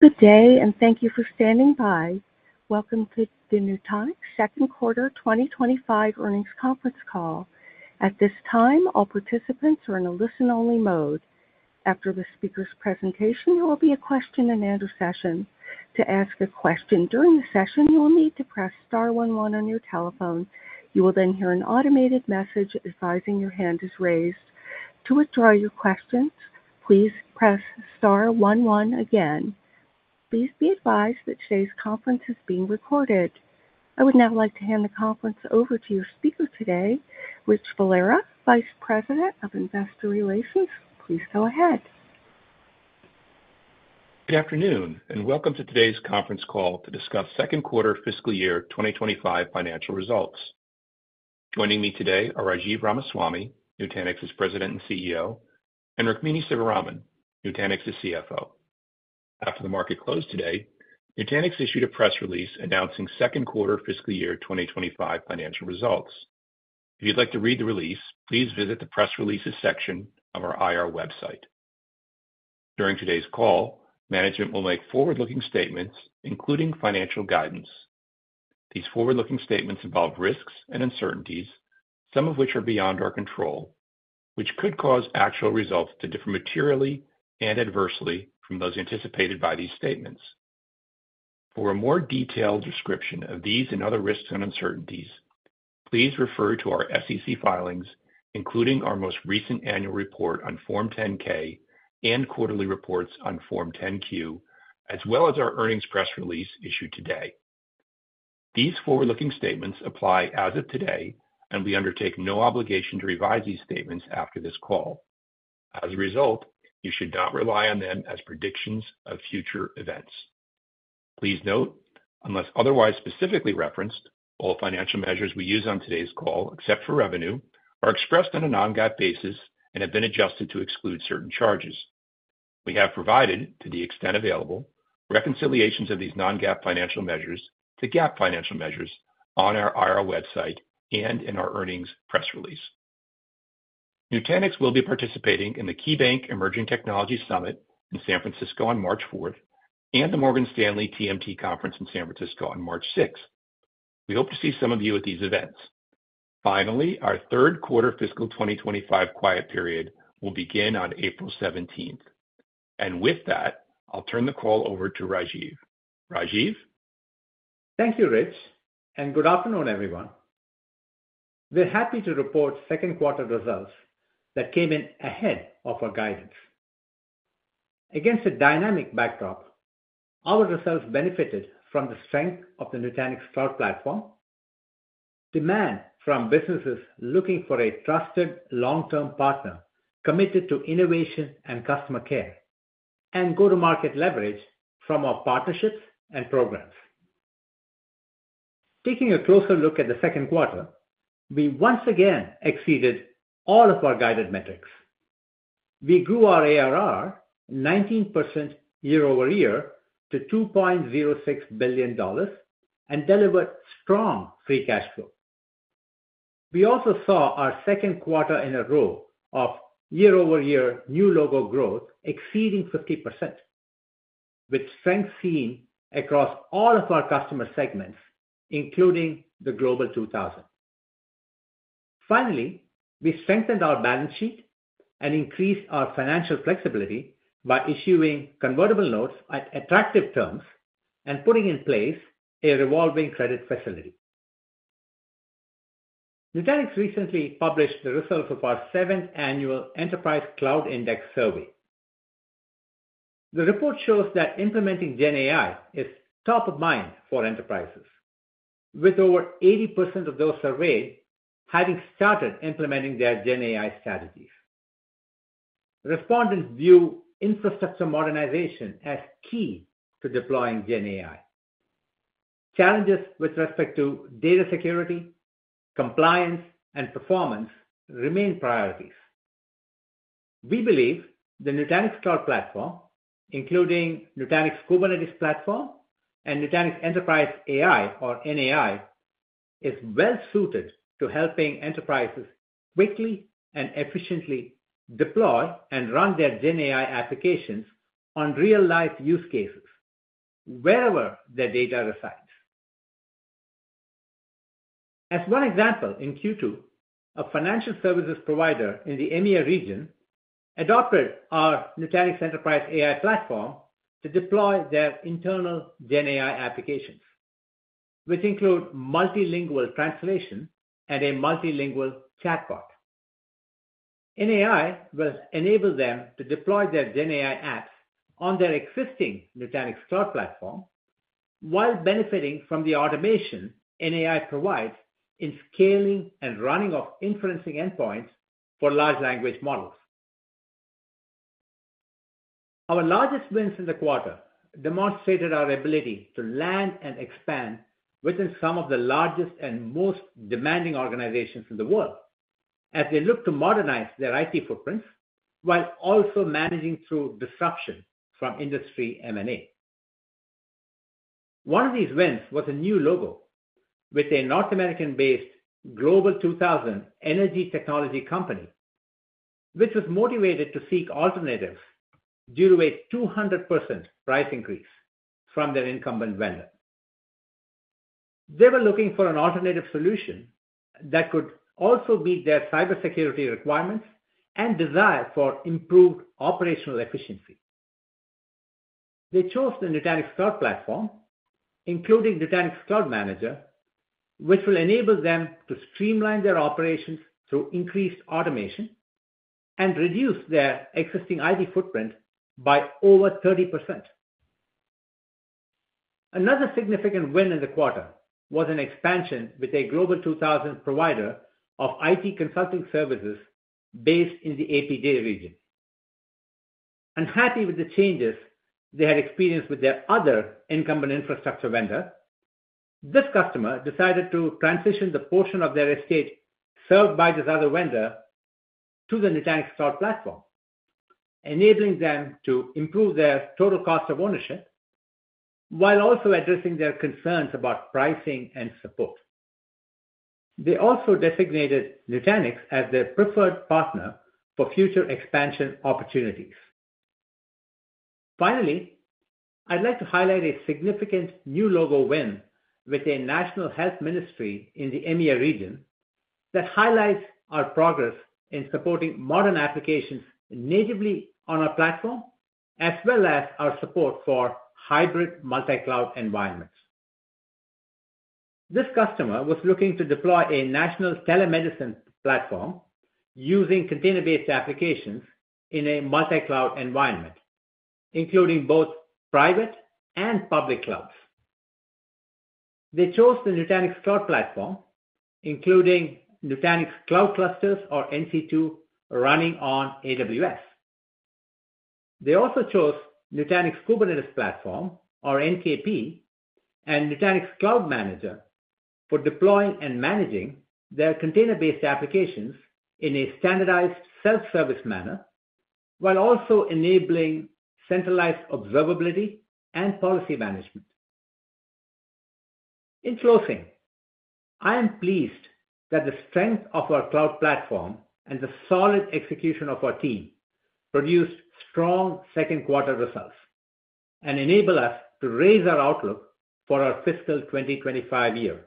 Good day, and thank you for standing by. Welcome to the Nutanix Second Quarter 2025 Earnings Conference Call. At this time, all participants are in a listen-only mode. After the speaker's presentation, there will be a question-and-answer session. To ask a question during the session, you will need to press star one one on your telephone. You will then hear an automated message advising your hand is raised. To withdraw your questions, please press star one one again. Please be advised that today's conference is being recorded. I would now like to hand the conference over to your speaker today, Rich Valera, Vice President of Investor Relations. Please go ahead. Good afternoon, and welcome to today's conference call to discuss second quarter fiscal year 2025 financial results. Joining me today are Rajiv Ramaswami, Nutanix's President and CEO, and Rukmini Sivaraman, Nutanix's CFO. After the market closed today, Nutanix issued a press release announcing second quarter fiscal year 2025 financial results. If you'd like to read the release, please visit the press releases section of our IR website. During today's call, management will make forward-looking statements, including financial guidance. These forward-looking statements involve risks and uncertainties, some of which are beyond our control, which could cause actual results to differ materially and adversely from those anticipated by these statements. For a more detailed description of these and other risks and uncertainties, please refer to our SEC filings, including our most recent annual report on Form 10-K and quarterly reports on Form 10-Q, as well as our earnings press release issued today. These forward-looking statements apply as of today, and we undertake no obligation to revise these statements after this call. As a result, you should not rely on them as predictions of future events. Please note, unless otherwise specifically referenced, all financial measures we use on today's call, except for revenue, are expressed on a non-GAAP basis and have been adjusted to exclude certain charges. We have provided, to the extent available, reconciliations of these non-GAAP financial measures to GAAP financial measures on our IR website and in our earnings press release. Nutanix will be participating in the KeyBanc Emerging Technology Summit in San Francisco on March 4th and the Morgan Stanley TMT Conference in San Francisco on March 6th. We hope to see some of you at these events. Finally, our third quarter fiscal 2025 quiet period will begin on April 17th. With that, I'll turn the call over to Rajiv. Rajiv? Thank you, Rich, and good afternoon, everyone. We're happy to report second quarter results that came in ahead of our guidance. Against a dynamic backdrop, our results benefited from the strength of the Nutanix Cloud Platform, demand from businesses looking for a trusted long-term partner committed to innovation and customer care, and go-to-market leverage from our partnerships and programs. Taking a closer look at the second quarter, we once again exceeded all of our guided metrics. We grew our ARR 19% year-over-year to $2.06 billion and delivered strong free cash flow. We also saw our second quarter in a row of year-over-year new logo growth exceeding 50%, with strength seen across all of our customer segments, including the Global 2000. Finally, we strengthened our balance sheet and increased our financial flexibility by issuing convertible notes at attractive terms and putting in place a revolving credit facility. Nutanix recently published the results of our seventh annual Enterprise Cloud Index survey. The report shows that implementing GenAI is top of mind for enterprises, with over 80% of those surveyed having started implementing their GenAI strategies. Respondents view infrastructure modernization as key to deploying GenAI. Challenges with respect to data security, compliance, and performance remain priorities. We believe the Nutanix Cloud Platform, including Nutanix Kubernetes Platform and Nutanix Enterprise AI, or NAI, is well-suited to helping enterprises quickly and efficiently deploy and run their GenAI applications on real-life use cases, wherever their data resides. As one example, in Q2, a financial services provider in the EMEA region adopted our Nutanix Enterprise AI Platform to deploy their internal GenAI applications, which include multilingual translation and a multilingual chatbot. NAI will enable them to deploy their GenAI apps on their existing Nutanix Cloud Platform while benefiting from the automation NAI provides in scaling and running of inferencing endpoints for large language models. Our largest wins in the quarter demonstrated our ability to land and expand within some of the largest and most demanding organizations in the world as they look to modernize their IT footprints while also managing through disruption from industry M&A. One of these wins was a new logo with a North American-based Global 2000 energy technology company, which was motivated to seek alternatives due to a 200% price increase from their incumbent vendor. They were looking for an alternative solution that could also meet their cybersecurity requirements and desire for improved operational efficiency. They chose the Nutanix Cloud Platform, including Nutanix Cloud Manager, which will enable them to streamline their operations through increased automation and reduce their existing IT footprint by over 30%. Another significant win in the quarter was an expansion with a Global 2000 provider of IT consulting services based in the APJ region. Unhappy with the changes they had experienced with their other incumbent infrastructure vendor, this customer decided to transition the portion of their estate served by this other vendor to the Nutanix Cloud Platform, enabling them to improve their total cost of ownership while also addressing their concerns about pricing and support. They also designated Nutanix as their preferred partner for future expansion opportunities. Finally, I'd like to highlight a significant new logo win with a National Health Ministry in the EMEA region that highlights our progress in supporting modern applications natively on our platform, as well as our support for hybrid multi-cloud environments. This customer was looking to deploy a national telemedicine platform using container-based applications in a multi-cloud environment, including both private and public clouds. They chose the Nutanix Cloud Platform, including Nutanix Cloud Clusters, or NC2, running on AWS. They also chose Nutanix Kubernetes Platform, or NKP, and Nutanix Cloud Manager for deploying and managing their container-based applications in a standardized self-service manner, while also enabling centralized observability and policy management. In closing, I am pleased that the strength of our Cloud Platform and the solid execution of our team produced strong second quarter results and enabled us to raise our outlook for our fiscal 2025 year.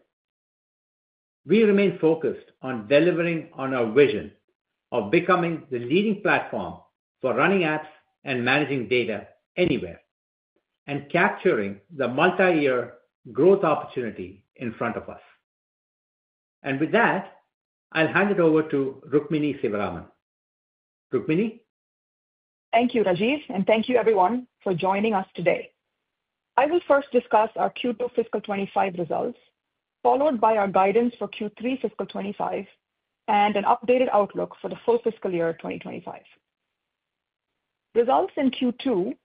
We remain focused on delivering on our vision of becoming the leading platform for running apps and managing data anywhere and capturing the multi-year growth opportunity in front of us. And with that, I'll hand it over to Rukmini Sivaraman. Rukmini? Thank you, Rajiv, and thank you, everyone, for joining us today. I will first discuss our Q2 fiscal year 2025 results, followed by our guidance for Q3 fiscal year 2025 and an updated outlook for the full fiscal year 2025. Results in Q2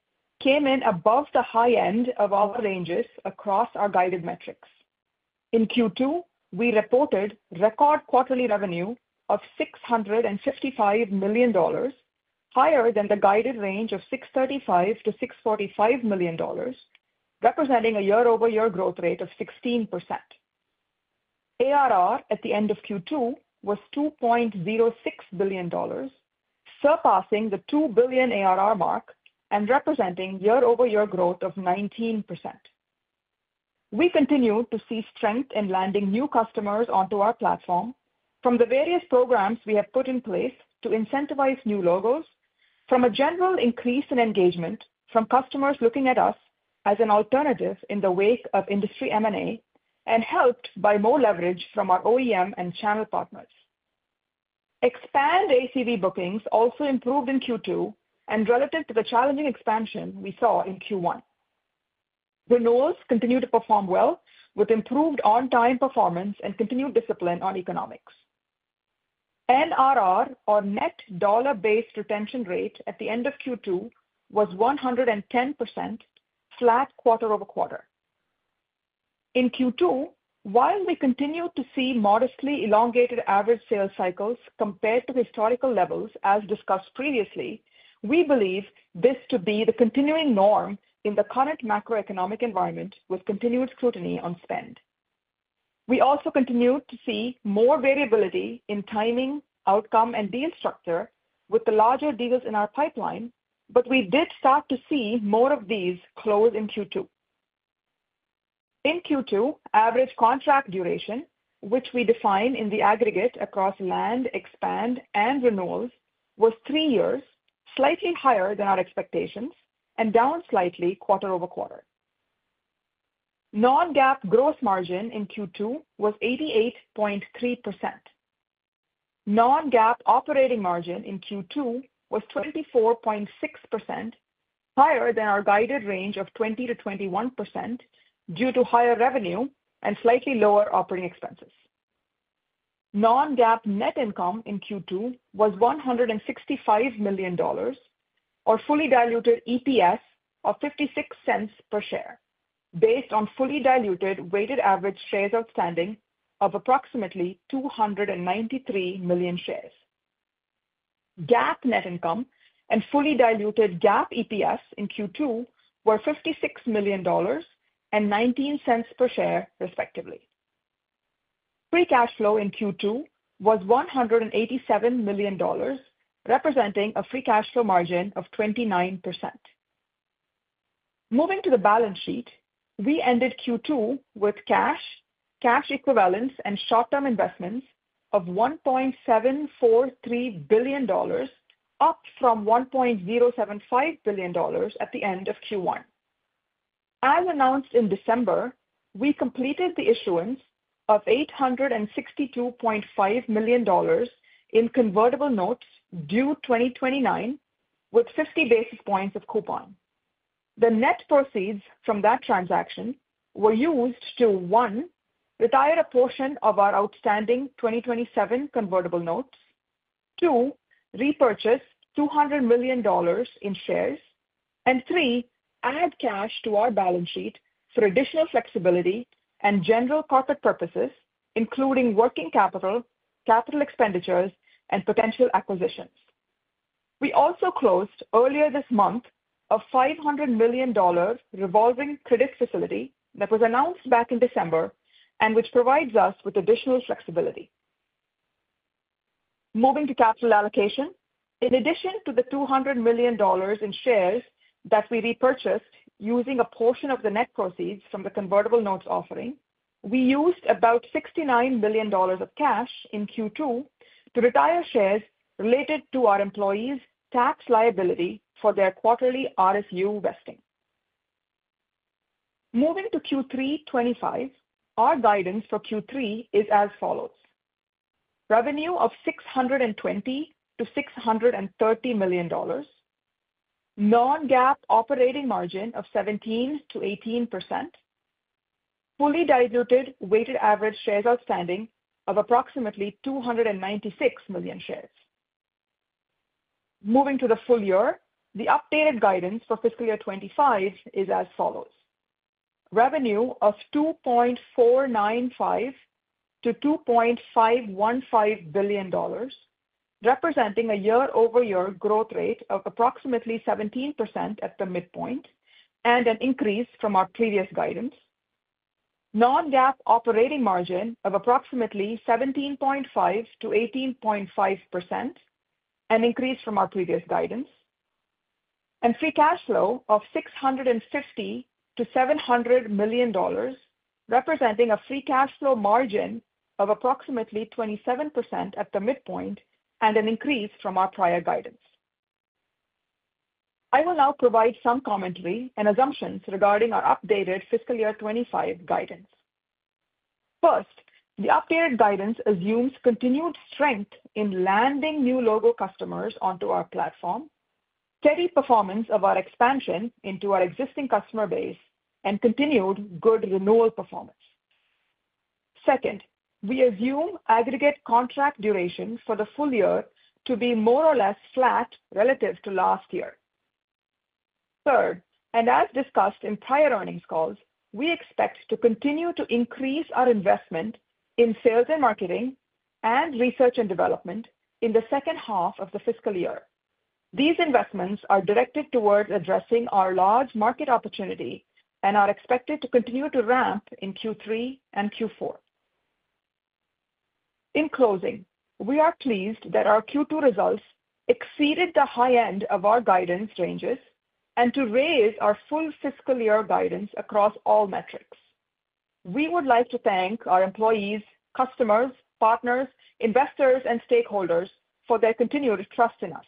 came in above the high end of our ranges across our guided metrics. In Q2, we reported record quarterly revenue of $655 million, higher than the guided range of $635 million-$645 million, representing a year-over-year growth rate of 16%. ARR at the end of Q2 was $2.06 billion, surpassing the $2 billion ARR mark and representing year-over-year growth of 19%. We continue to see strength in landing new customers onto our platform from the various programs we have put in place to incentivize new logos, from a general increase in engagement from customers looking at us as an alternative in the wake of industry M&A, and helped by more leverage from our OEM and channel partners. Expand ACV bookings also improved in Q2 and relative to the challenging expansion we saw in Q1. Renewals continue to perform well with improved on-time performance and continued discipline on economics. NRR, or net dollar-based retention rate, at the end of Q2 was 110%, flat quarter-over-quarter. In Q2, while we continue to see modestly elongated average sales cycles compared to historical levels, as discussed previously, we believe this to be the continuing norm in the current macroeconomic environment with continued scrutiny on spend. We also continue to see more variability in timing, outcome, and deal structure with the larger deals in our pipeline, but we did start to see more of these close in Q2. In Q2, average contract duration, which we define in the aggregate across land, expand, and renewals, was three years, slightly higher than our expectations, and down slightly quarter-over-quarter. Non-GAAP gross margin in Q2 was 88.3%. Non-GAAP operating margin in Q2 was 24.6%, higher than our guided range of 20%-21% due to higher revenue and slightly lower operating expenses. Non-GAAP net income in Q2 was $165 million, or fully diluted EPS of $0.56 per share, based on fully diluted weighted average shares outstanding of approximately 293 million shares. GAAP net income and fully diluted GAAP EPS in Q2 were $56 million and $0.19 per share, respectively. Free cash flow in Q2 was $187 million, representing a free cash flow margin of 29%. Moving to the balance sheet, we ended Q2 with cash, cash equivalents, and short-term investments of $1.743 billion, up from $1.075 billion at the end of Q1. As announced in December, we completed the issuance of $862.5 million in convertible notes due 2029, with 50 basis points of coupon. The net proceeds from that transaction were used to, one, retire a portion of our outstanding 2027 convertible notes, two, repurchase $200 million in shares, and three, add cash to our balance sheet for additional flexibility and general corporate purposes, including working capital, capital expenditures, and potential acquisitions. We also closed earlier this month a $500 million revolving credit facility that was announced back in December and which provides us with additional flexibility. Moving to capital allocation, in addition to the $200 million in shares that we repurchased using a portion of the net proceeds from the convertible notes offering, we used about $69 million of cash in Q2 to retire shares related to our employees' tax liability for their quarterly RSU vesting. Moving to Q3 2025, our guidance for Q3 is as follows, revenue of $620 million-$630 million, non-GAAP operating margin of 17%-18%, fully diluted weighted average shares outstanding of approximately 296 million shares. Moving to the full year, the updated guidance for fiscal year 2025 is as follows, revenue of $2.495-$2.515 billion, representing a year-over-year growth rate of approximately 17% at the midpoint and an increase from our previous guidance, Non-GAAP operating margin of approximately 17.5%-18.5%, an increase from our previous guidance, and free cash flow of $650 million-$700 million, representing a free cash flow margin of approximately 27% at the midpoint and an increase from our prior guidance. I will now provide some commentary and assumptions regarding our updated fiscal year 2025 guidance. First, the updated guidance assumes continued strength in landing new logo customers onto our platform, steady performance of our expansion into our existing customer base, and continued good renewal performance. Second, we assume aggregate contract durations for the full year to be more or less flat relative to last year. Third, and as discussed in prior earnings calls, we expect to continue to increase our investment in sales and marketing and research and development in the second half of the fiscal year. These investments are directed towards addressing our large market opportunity and are expected to continue to ramp in Q3 and Q4. In closing, we are pleased that our Q2 results exceeded the high end of our guidance ranges and to raise our full fiscal year guidance across all metrics. We would like to thank our employees, customers, partners, investors, and stakeholders for their continued trust in us.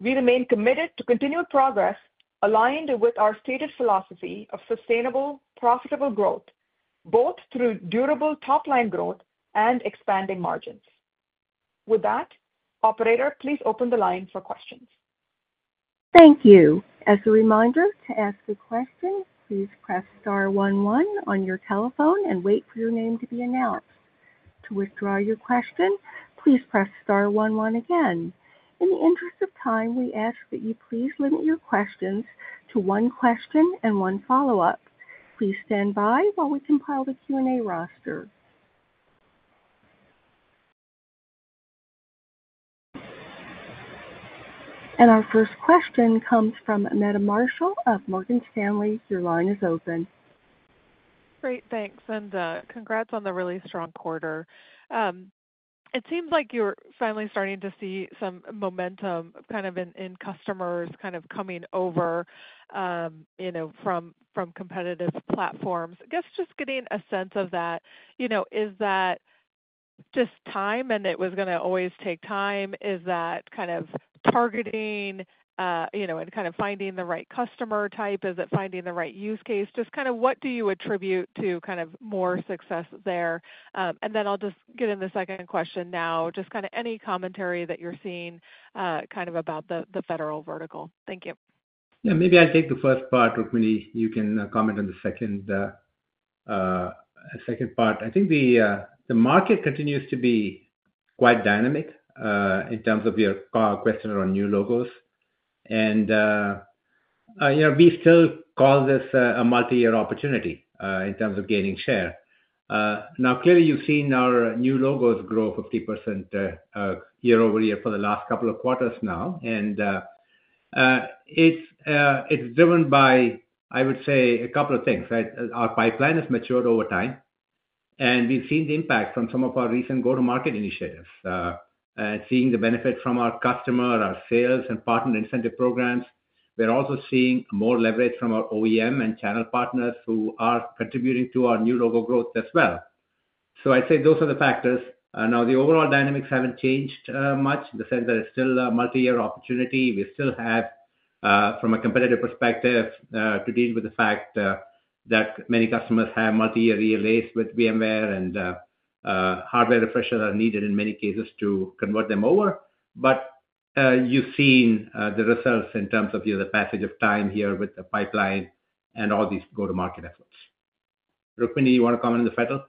We remain committed to continued progress aligned with our stated philosophy of sustainable, profitable growth, both through durable top-line growth and expanding margins. With that, Operator, please open the line for questions. Thank you. As a reminder to ask a question, please press star one one on your telephone and wait for your name to be announced. To withdraw your question, please press star one one again. In the interest of time, we ask that you please limit your questions to one question and one follow-up. Please stand by while we compile the Q&A roster. And our first question comes from Meta Marshall of Morgan Stanley. Your line is open. Great. Thanks. And congrats on the really strong quarter. It seems like you're finally starting to see some momentum kind of in customers kind of coming over from competitive platforms. I guess just getting a sense of that, is that just time and it was going to always take time? Is that kind of targeting and kind of finding the right customer type? Is it finding the right use case? Just kind of what do you attribute to kind of more success there? And then I'll just get in the second question now, just kind of any commentary that you're seeing kind of about the federal vertical. Thank you. Yeah. Maybe I'll take the first part. Rukmini, you can comment on the second part. I think the market continues to be quite dynamic in terms of your question around new logos. And we still call this a multi-year opportunity in terms of gaining share. Now, clearly, you've seen our new logos grow 50% year-over-year for the last couple of quarters now. And it's driven by, I would say, a couple of things. Our pipeline has matured over time, and we've seen the impact from some of our recent go-to-market initiatives and seeing the benefit from our customer, our sales, and partner incentive programs. We're also seeing more leverage from our OEM and channel partners who are contributing to our new logo growth as well. So I'd say those are the factors. Now, the overall dynamics haven't changed much in the sense that it's still a multi-year opportunity. We still have, from a competitive perspective, to deal with the fact that many customers have multi-year leases with VMware, and hardware refreshes are needed in many cases to convert them over. But you've seen the results in terms of the passage of time here with the pipeline and all these go-to-market efforts. Rukmini, you want to comment on the federal?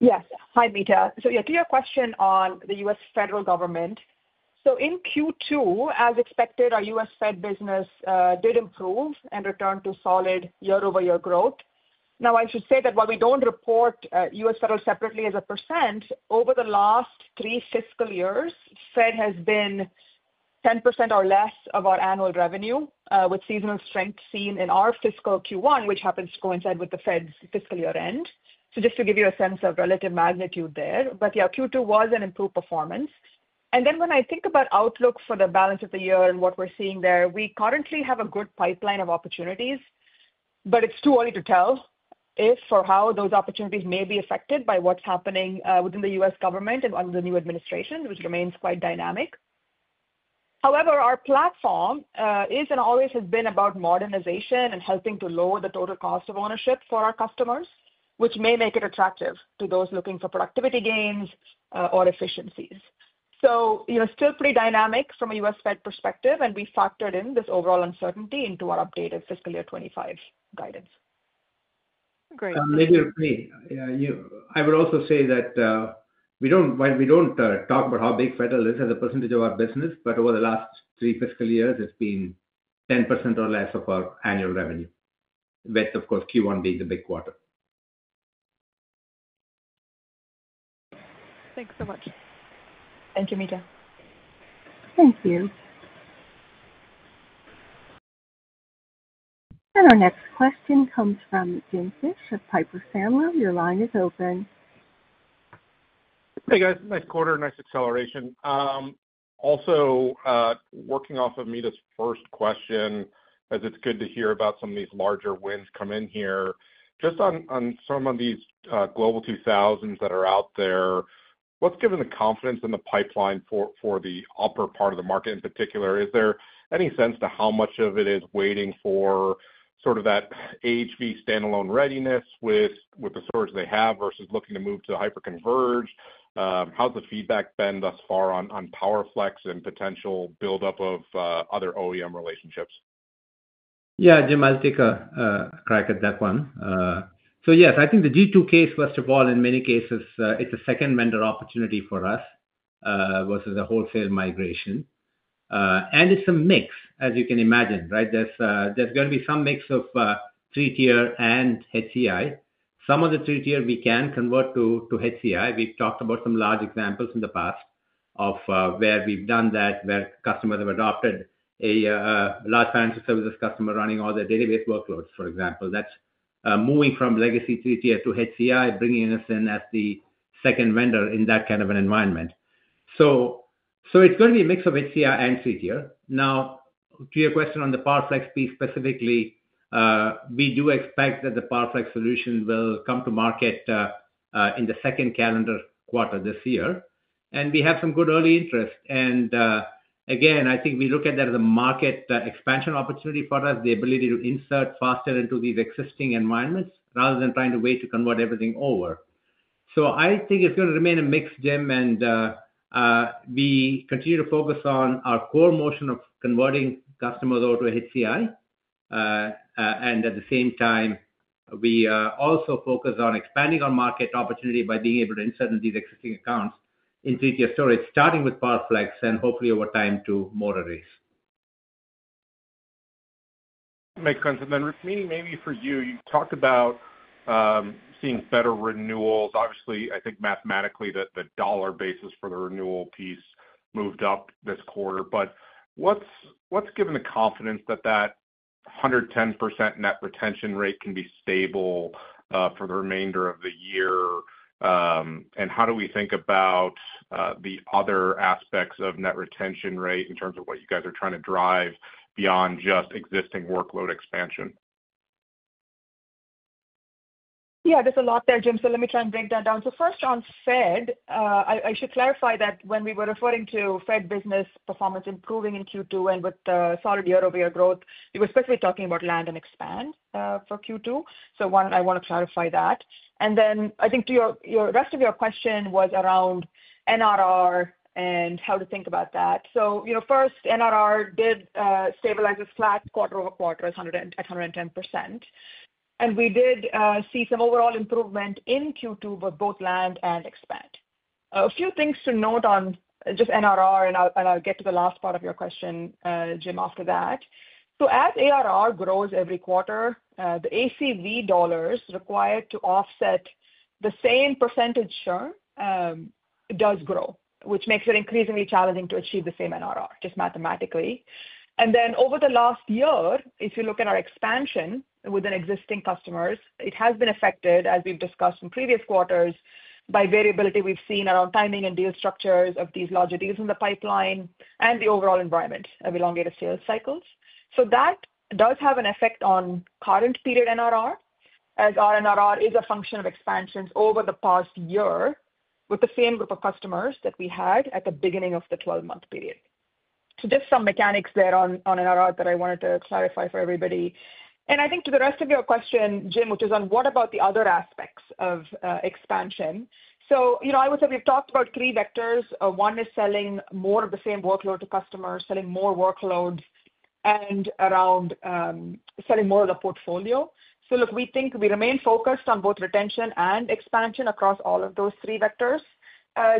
Yes. Hi, Meta. So yeah, to your question on the U.S. federal government, so in Q2, as expected, our U.S. Fed business did improve and returned to solid year-over-year growth. Now, I should say that while we don't report U.S. federal separately as a percent, over the last three fiscal years, Fed has been 10% or less of our annual revenue, with seasonal strength seen in our fiscal Q1, which happens to coincide with the Fed's fiscal year end. So just to give you a sense of relative magnitude there. But yeah, Q2 was an improved performance. And then when I think about outlook for the balance of the year and what we're seeing there, we currently have a good pipeline of opportunities, but it's too early to tell if or how those opportunities may be affected by what's happening within the U.S. government and under the new administration, which remains quite dynamic. However, our platform is and always has been about modernization and helping to lower the total cost of ownership for our customers, which may make it attractive to those looking for productivity gains or efficiencies. So still pretty dynamic from a U.S. Fed perspective, and we factored in this overall uncertainty into our updated fiscal year 2025 guidance. Great. Maybe Rukmini, I would also say that while we don't talk about how big Federal is as a percentage of our business, but over the last three fiscal years, it's been 10% or less of our annual revenue, with, of course, Q1 being the big quarter. Thanks so much. Thank you, Meta. Thank you. And our next question comes from James Fish of Piper Sandler. Your line is open. Hey, guys. Nice quarter, nice acceleration. Also, working off of Meta's first question, as it's good to hear about some of these larger wins come in here, just on some of these global 2000s that are out there, what's given the confidence in the pipeline for the upper part of the market in particular? Is there any sense to how much of it is waiting for sort of that AHV standalone readiness with the storage they have versus looking to move to hyper-converged? How's the feedback been thus far on PowerFlex and potential buildup of other OEM relationships? Yeah. Jim, I'll take a crack at that one. So yes, I think the G2 case, first of all, in many cases, it's a second vendor opportunity for us versus a wholesale migration. And it's a mix, as you can imagine, right? There's going to be some mix of three-tier and HCI. Some of the three-tier we can convert to HCI. We've talked about some large examples in the past of where we've done that, where customers have adopted a large financial services customer running all their database workloads, for example. That's moving from legacy three-tier to HCI, bringing us in as the second vendor in that kind of an environment. So it's going to be a mix of HCI and three-tier. Now, to your question on the PowerFlex piece specifically, we do expect that the PowerFlex solution will come to market in the second calendar quarter this year. We have some good early interest. Again, I think we look at that as a market expansion opportunity for us, the ability to insert faster into these existing environments rather than trying to wait to convert everything over. I think it's going to remain a mix, Jim, and we continue to focus on our core motion of converting customers over to HCI. At the same time, we also focus on expanding our market opportunity by being able to insert into these existing accounts in three-tier storage, starting with PowerFlex and hopefully over time to more arrays. Makes sense. And then, Rukmini, maybe for you, you talked about seeing better renewals. Obviously, I think mathematically the dollar basis for the renewal piece moved up this quarter. But what's given the confidence that that 110% net retention rate can be stable for the remainder of the year? And how do we think about the other aspects of net retention rate in terms of what you guys are trying to drive beyond just existing workload expansion? Yeah, there's a lot there, Jim. So let me try and break that down. So first, on Fed, I should clarify that when we were referring to Fed business performance improving in Q2 and with solid year-over-year growth, we were specifically talking about land and expand for Q2. So one, I want to clarify that. And then I think your rest of your question was around NRR and how to think about that. So first, NRR did stabilize as flat quarter-over-quarter at 110%. And we did see some overall improvement in Q2 with both land and expand. A few things to note on just NRR, and I'll get to the last part of your question, Jim, after that. So as ARR grows every quarter, the ACV dollars required to offset the same percentage churn does grow, which makes it increasingly challenging to achieve the same NRR, just mathematically. And then over the last year, if you look at our expansion within existing customers, it has been affected, as we've discussed in previous quarters, by variability we've seen around timing and deal structures of these larger deals in the pipeline and the overall environment of elongated sales cycles. So that does have an effect on current period NRR, as our NRR is a function of expansions over the past year with the same group of customers that we had at the beginning of the 12-month period. So just some mechanics there on NRR that I wanted to clarify for everybody. And I think to the rest of your question, Jim, which is on what about the other aspects of expansion? So I would say we've talked about three vectors. One is selling more of the same workload to customers, selling more workloads, and around selling more of the portfolio. So look, we think we remain focused on both retention and expansion across all of those three vectors.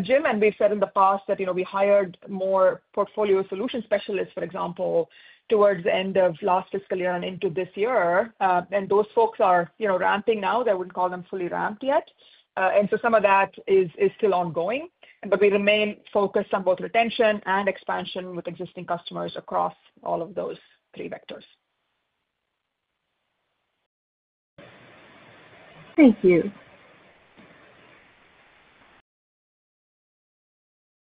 Jim, and we've said in the past that we hired more portfolio solution specialists, for example, towards the end of last fiscal year and into this year. And those folks are ramping now. I wouldn't call them fully ramped yet. And so some of that is still ongoing. But we remain focused on both retention and expansion with existing customers across all of those three vectors. Thank you,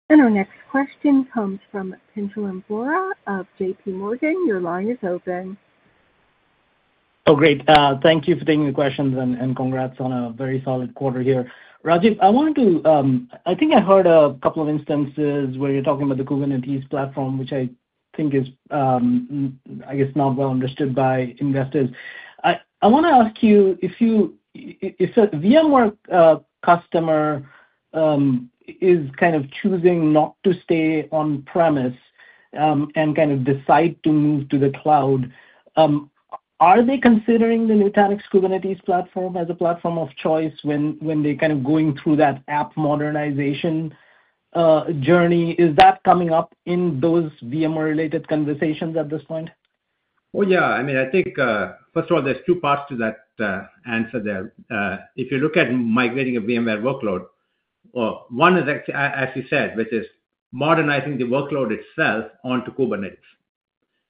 and our next question comes from Pinjalim Bora of JPMorgan. Your line is open. Oh, great. Thank you for taking the question and congrats on a very solid quarter here. Rajiv, I wanted to, I think I heard a couple of instances where you're talking about the Kubernetes platform, which I think is, I guess, not well understood by investors. I want to ask you, if a VMware customer is kind of choosing not to stay on-premise and kind of decide to move to the cloud, are they considering the Nutanix Kubernetes Platform as a platform of choice when they're kind of going through that app modernization journey? Is that coming up in those VMware-related conversations at this point? Well, yeah. I mean, I think, first of all, there's two parts to that answer there. If you look at migrating a VMware workload, one is, as you said, which is modernizing the workload itself onto Kubernetes.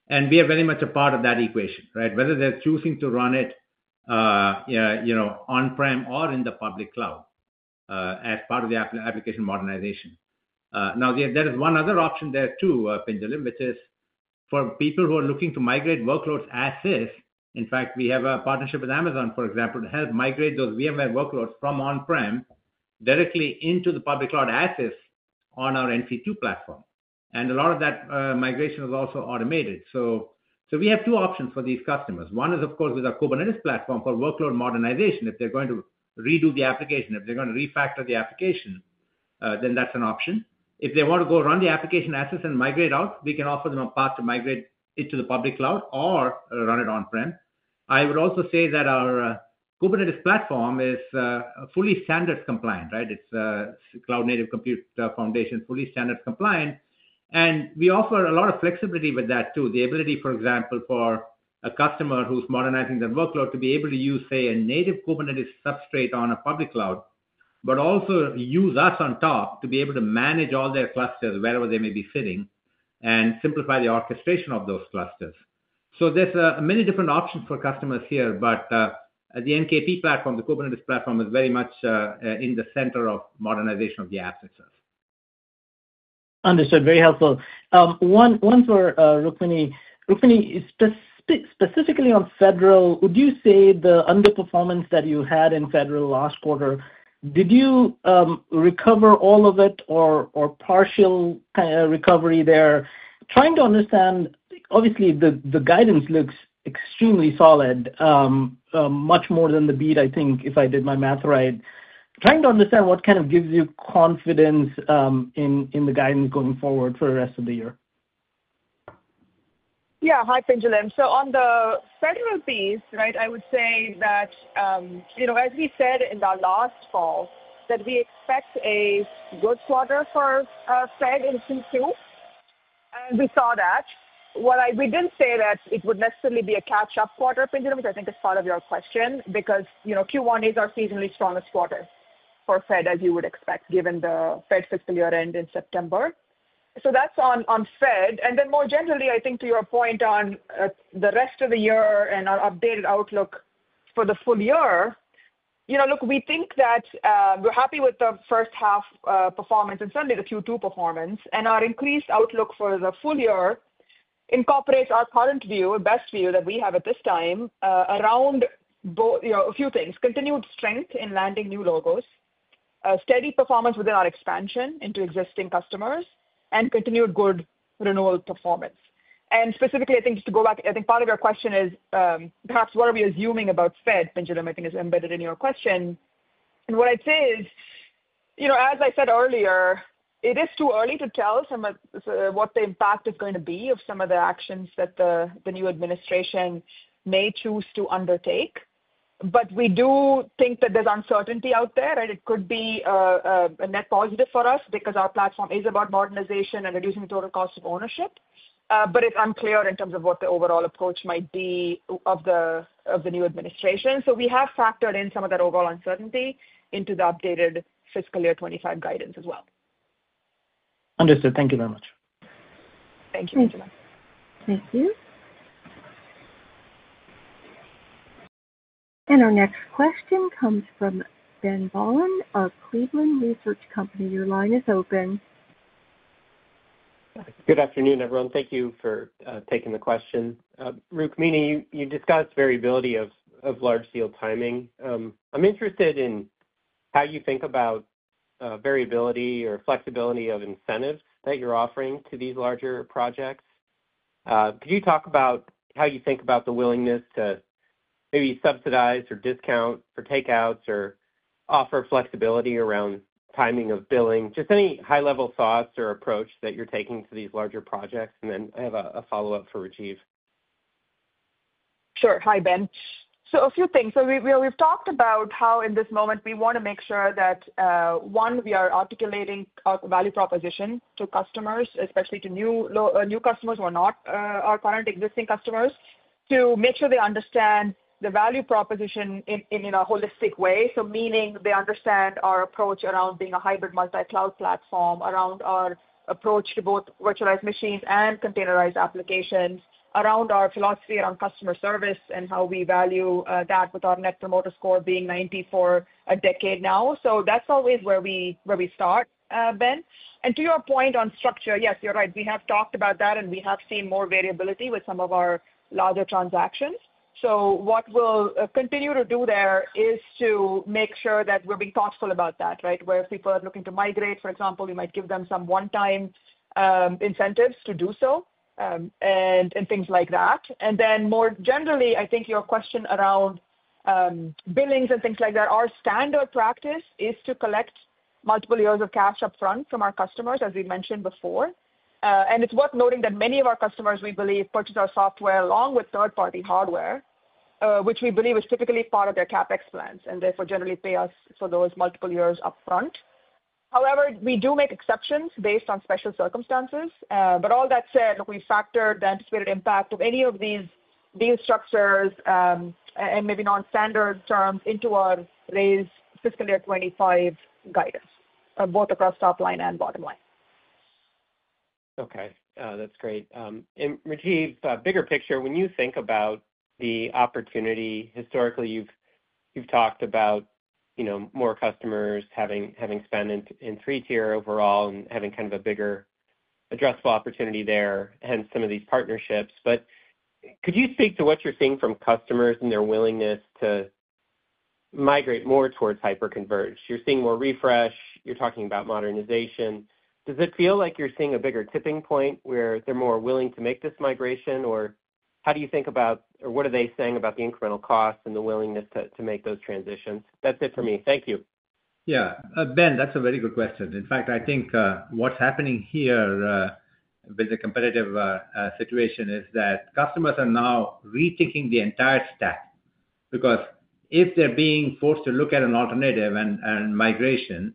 And we are very much a part of that equation, right? Whether they're choosing to run it on-prem or in the public cloud as part of the application modernization. Now, there is one other option there too, Pinjalim Bora, which is for people who are looking to migrate workloads as-is. In fact, we have a partnership with Amazon, for example, to help migrate those VMware workloads from on-prem directly into the public cloud as-is on our NC2 platform. And a lot of that migration is also automated. So we have two options for these customers. One is, of course, with our Kubernetes platform for workload modernization. If they're going to redo the application, if they're going to refactor the application, then that's an option. If they want to go run the application as-is and migrate out, we can offer them a path to migrate it to the public cloud or run it on-prem. I would also say that our Kubernetes platform is fully standards compliant, right? It's a cloud-native compute foundation, fully standards compliant. And we offer a lot of flexibility with that too, the ability, for example, for a customer who's modernizing their workload to be able to use, say, a native Kubernetes substrate on a public cloud, but also use us on top to be able to manage all their clusters wherever they may be sitting and simplify the orchestration of those clusters. So there's many different options for customers here, but the NKP platform, the Kubernetes platform, is very much in the center of modernization of the assets. Understood. Very helpful. One for Rukmini. Rukmini, specifically on federal, would you say the underperformance that you had in federal last quarter, did you recover all of it or partial recovery there? Trying to understand, obviously, the guidance looks extremely solid, much more than the beat, I think, if I did my math right. Trying to understand what kind of gives you confidence in the guidance going forward for the rest of the year. Yeah. Hi, Pinjalim Bora. So on the federal piece, right, I would say that, as we said in the last call, that we expect a good quarter for Fed in Q2. And we saw that. We didn't say that it would necessarily be a catch-up quarter, Pinjalim Bora, which I think is part of your question, because Q1 is our seasonally strongest quarter for Fed, as you would expect, given the Fed fiscal year end in September. So that's on Fed. And then more generally, I think to your point on the rest of the year and our updated outlook for the full year, look, we think that we're happy with the first half performance and certainly the Q2 performance. And our increased outlook for the full year incorporates our current view, best view that we have at this time around a few things, continued strength in landing new logos, steady performance within our expansion into existing customers, and continued good renewal performance. And specifically, I think to go back, I think part of your question is perhaps what are we assuming about Fed, Pinjalim Bora, I think is embedded in your question. And what I'd say is, as I said earlier, it is too early to tell what the impact is going to be of some of the actions that the new administration may choose to undertake. But we do think that there's uncertainty out there, right? It could be a net positive for us because our platform is about modernization and reducing the total cost of ownership. But it's unclear in terms of what the overall approach might be of the new administration. So we have factored in some of that overall uncertainty into the updated fiscal year 2025 guidance as well. Understood. Thank you very much. Thank you, Pinjalim Bora. Thank you. And our next question comes from Ben Bollin of Cleveland Research Company. Your line is open. Good afternoon, everyone. Thank you for taking the question. Rukmini, you discussed variability of large-scale timing. I'm interested in how you think about variability or flexibility of incentives that you're offering to these larger projects. Could you talk about how you think about the willingness to maybe subsidize or discount or takeouts or offer flexibility around timing of billing? Just any high-level thoughts or approach that you're taking to these larger projects. And then I have a follow-up for Rajiv. Sure. Hi, Ben. So a few things. So we've talked about how in this moment we want to make sure that, one, we are articulating our value proposition to customers, especially to new customers who are not our current existing customers, to make sure they understand the value proposition in a holistic way. So meaning they understand our approach around being a hybrid multi-cloud platform, around our approach to both virtualized machines and containerized applications, around our philosophy around customer service and how we value that with our Net Promoter Score being 90 for a decade now. So that's always where we start, Ben. And to your point on structure, yes, you're right. We have talked about that, and we have seen more variability with some of our larger transactions. So what we'll continue to do there is to make sure that we're being thoughtful about that, right? Where if people are looking to migrate, for example, we might give them some one-time incentives to do so and things like that. And then more generally, I think your question around billings and things like that, our standard practice is to collect multiple years of cash upfront from our customers, as we mentioned before. And it's worth noting that many of our customers, we believe, purchase our software along with third-party hardware, which we believe is typically part of their CapEx plans and therefore generally pay us for those multiple years upfront. However, we do make exceptions based on special circumstances. But all that said, we factored the anticipated impact of any of these deal structures and maybe non-standard terms into our raised fiscal year 2025 guidance, both across top line and bottom line. Okay. That's great. And Rajiv, bigger picture, when you think about the opportunity, historically, you've talked about more customers having spent in three-tier overall and having kind of a bigger addressable opportunity there, hence some of these partnerships. But could you speak to what you're seeing from customers and their willingness to migrate more towards hyper-converged? You're seeing more refresh. You're talking about modernization. Does it feel like you're seeing a bigger tipping point where they're more willing to make this migration? Or how do you think about or what are they saying about the incremental costs and the willingness to make those transitions? That's it for me. Thank you. Yeah. Ben, that's a very good question. In fact, I think what's happening here with the competitive situation is that customers are now rethinking the entire stack. Because if they're being forced to look at an alternative and migration,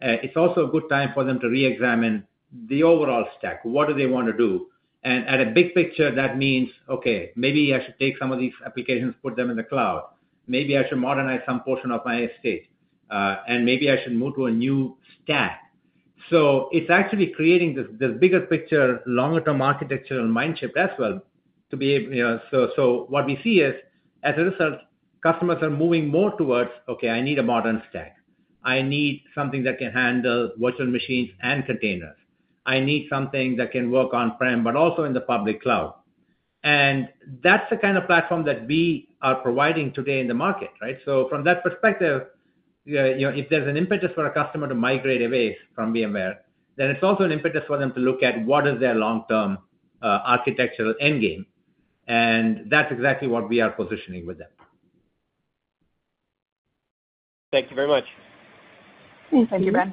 it's also a good time for them to re-examine the overall stack. What do they want to do? And at a big picture, that means, okay, maybe I should take some of these applications, put them in the cloud. Maybe I should modernize some portion of my estate. And maybe I should move to a new stack. So it's actually creating the bigger picture, longer-term architecture and mind shift as well to be able to. So what we see is, as a result, customers are moving more towards, okay, I need a modern stack. I need something that can handle virtual machines and containers. I need something that can work on-prem, but also in the public cloud. And that's the kind of platform that we are providing today in the market, right? So from that perspective, if there's an impetus for a customer to migrate away from VMware, then it's also an impetus for them to look at what is their long-term architectural end game. And that's exactly what we are positioning with them. Thank you very much. Thank you, Ben.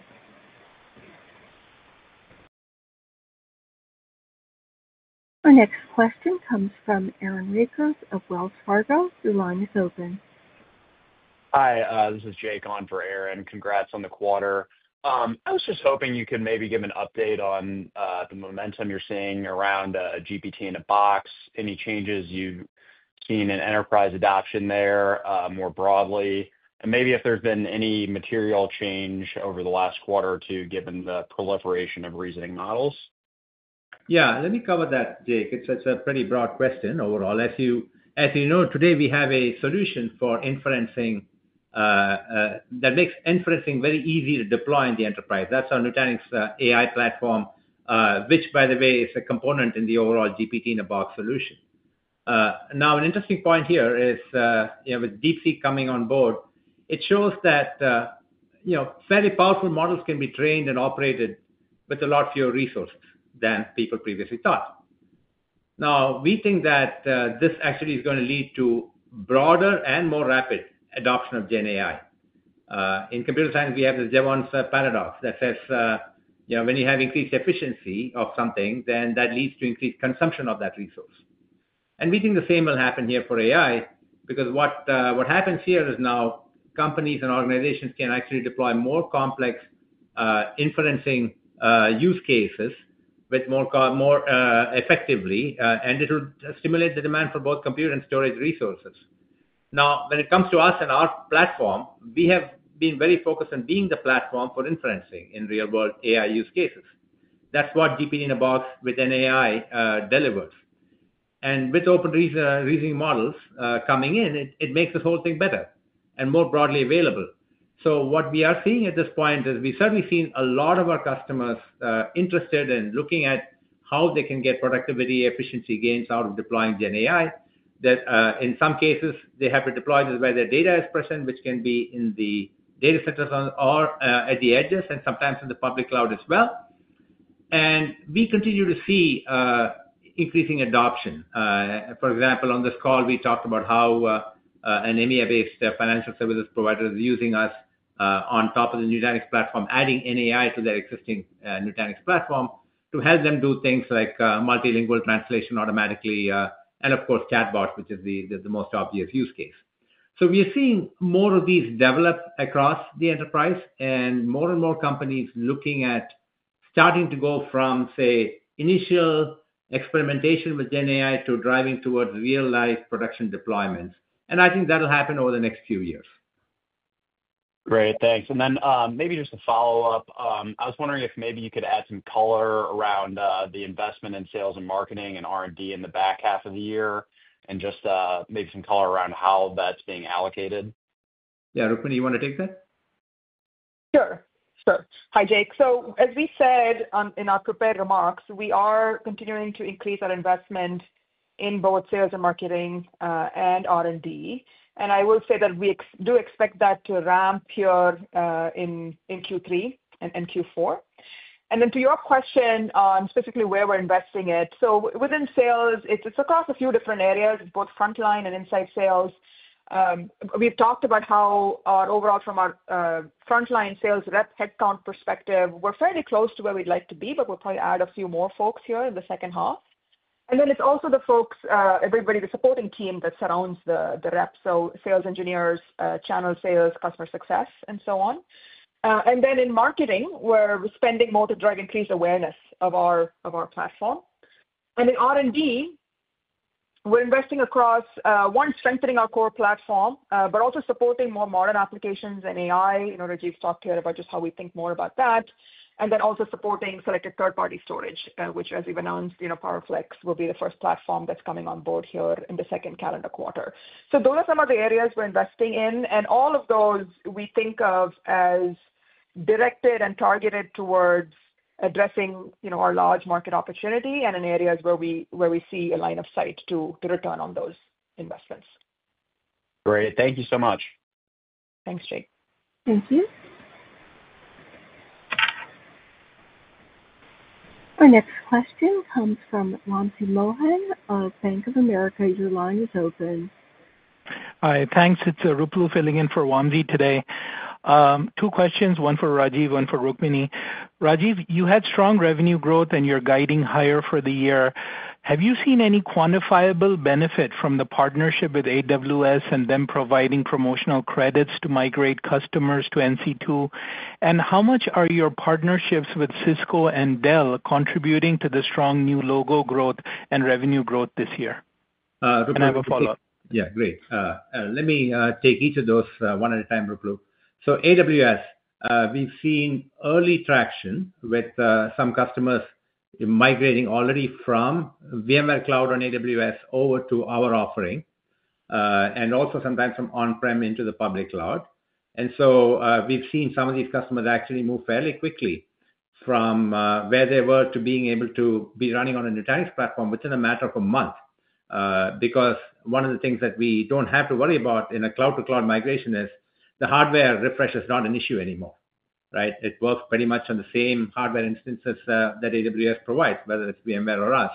Our next question comes from Aaron Rakers of Wells Fargo. Your line is open. Hi. This is Jay Kahn for Aaron. Congrats on the quarter. I was just hoping you could maybe give an update on the momentum you're seeing around GPT-in-a-Box, any changes you've seen in enterprise adoption there more broadly, and maybe if there's been any material change over the last quarter or two given the proliferation of reasoning models? Yeah. Let me cover that, Jay. It's a pretty broad question overall. As you know, today we have a solution for inferencing that makes inferencing very easy to deploy in the enterprise. That's our Nutanix AI platform, which, by the way, is a component in the overall GPT-in-a-Box solution. Now, an interesting point here is with DeepSeek coming on board, it shows that fairly powerful models can be trained and operated with a lot fewer resources than people previously thought. Now, we think that this actually is going to lead to broader and more rapid adoption of GenAI. In computer science, we have the Jevons paradox that says when you have increased efficiency of something, then that leads to increased consumption of that resource. And we think the same will happen here for AI because what happens here is now companies and organizations can actually deploy more complex inferencing use cases more effectively, and it will stimulate the demand for both compute and storage resources. Now, when it comes to us and our platform, we have been very focused on being the platform for inferencing in real-world AI use cases. That's what GPT-in-a-Box within AI delivers. And with open reasoning models coming in, it makes this whole thing better and more broadly available. So what we are seeing at this point is we've certainly seen a lot of our customers interested in looking at how they can get productivity, efficiency gains out of deploying GenAI, that in some cases, they have to deploy this where their data is present, which can be in the data centers or at the edges and sometimes in the public cloud as well. And we continue to see increasing adoption. For example, on this call, we talked about how an EMEA-based financial services provider is using us on top of the Nutanix platform, adding NAI to their existing Nutanix platform to help them do things like multilingual translation automatically, and of course, chatbots, which is the most obvious use case. We are seeing more of these develop across the enterprise and more and more companies looking at starting to go from, say, initial experimentation with GenAI to driving towards real-life production deployments. I think that'll happen over the next few years. Great. Thanks. And then maybe just a follow-up. I was wondering if maybe you could add some color around the investment in sales and marketing and R&D in the back half of the year and just maybe some color around how that's being allocated? Yeah. Rukmini, you want to take that? Sure. Sure. Hi, Jay. So as we said in our prepared remarks, we are continuing to increase our investment in both sales and marketing and R&D. And I will say that we do expect that to ramp here in Q3 and Q4. And then to your question on specifically where we're investing it, so within sales, it's across a few different areas, both frontline and inside sales. We've talked about how our overall from our frontline sales rep headcount perspective, we're fairly close to where we'd like to be, but we'll probably add a few more folks here in the second half. And then it's also the folks, everybody, the supporting team that surrounds the rep, so sales engineers, channel sales, customer success, and so on. And then in marketing, we're spending more to drive increased awareness of our platform. And in R&D, we're investing across, one, strengthening our core platform, but also supporting more modern applications and AI. Rajiv talked here about just how we think more about that, and then also supporting selected third-party storage, which, as we've announced, PowerFlex will be the first platform that's coming on board here in the second calendar quarter. So those are some of the areas we're investing in. And all of those we think of as directed and targeted towards addressing our large market opportunity and in areas where we see a line of sight to return on those investments. Great. Thank you so much. Thanks, Jay. Thank you. Our next question comes from Wamsi Mohan of Bank of America. Your line is open. Hi. Thanks. It's Ruplu filling in for Wamsi today. Two questions, one for Rajiv, one for Rukmini. Rajiv, you had strong revenue growth and you're guiding higher for the year. Have you seen any quantifiable benefit from the partnership with AWS and them providing promotional credits to migrate customers to NC2? And how much are your partnerships with Cisco and Dell contributing to the strong new logo growth and revenue growth this year? Rukmini, I have a follow-up. Yeah. Great. Let me take each of those one at a time, Ruplu. So AWS, we've seen early traction with some customers migrating already from VMware Cloud on AWS over to our offering and also sometimes from on-prem into the public cloud. And so we've seen some of these customers actually move fairly quickly from where they were to being able to be running on a Nutanix platform within a matter of a month. Because one of the things that we don't have to worry about in a cloud-to-cloud migration is the hardware refresh is not an issue anymore, right? It works pretty much on the same hardware instances that AWS provides, whether it's VMware or us.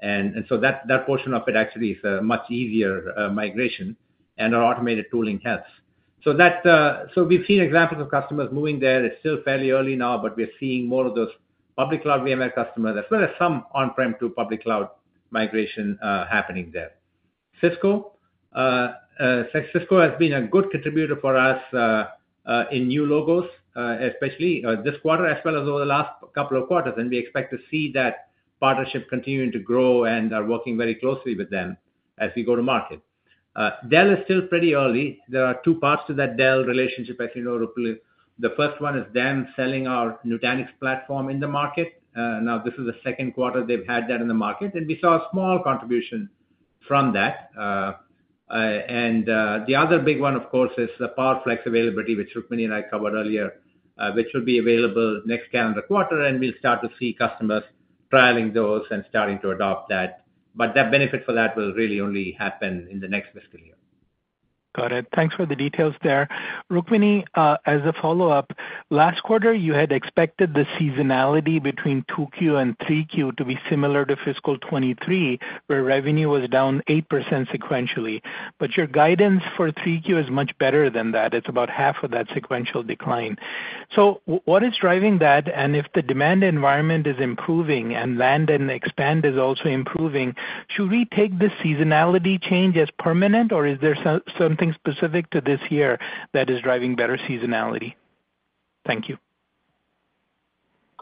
And so that portion of it actually is a much easier migration. And our automated tooling helps. So we've seen examples of customers moving there. It's still fairly early now, but we're seeing more of those public cloud VMware customers, as well as some on-prem to public cloud migration happening there. Cisco has been a good contributor for us in new logos, especially this quarter, as well as over the last couple of quarters, and we expect to see that partnership continuing to grow and are working very closely with them as we go to market. Dell is still pretty early. There are two parts to that Dell relationship, as you know, Ruplu. The first one is them selling our Nutanix platform in the market. Now, this is the second quarter they've had that in the market, and we saw a small contribution from that, and the other big one, of course, is the PowerFlex availability, which Rukmini and I covered earlier, which will be available next calendar quarter. And we'll start to see customers trialing those and starting to adopt that. But that benefit for that will really only happen in the next fiscal year. Got it. Thanks for the details there. Rukmini, as a follow-up, last quarter, you had expected the seasonality between 2Q and 3Q to be similar to fiscal 2023, where revenue was down 8% sequentially. But your guidance for 3Q is much better than that. It's about half of that sequential decline. So what is driving that? And if the demand environment is improving and land and expand is also improving, should we take the seasonality change as permanent, or is there something specific to this year that is driving better seasonality? Thank you.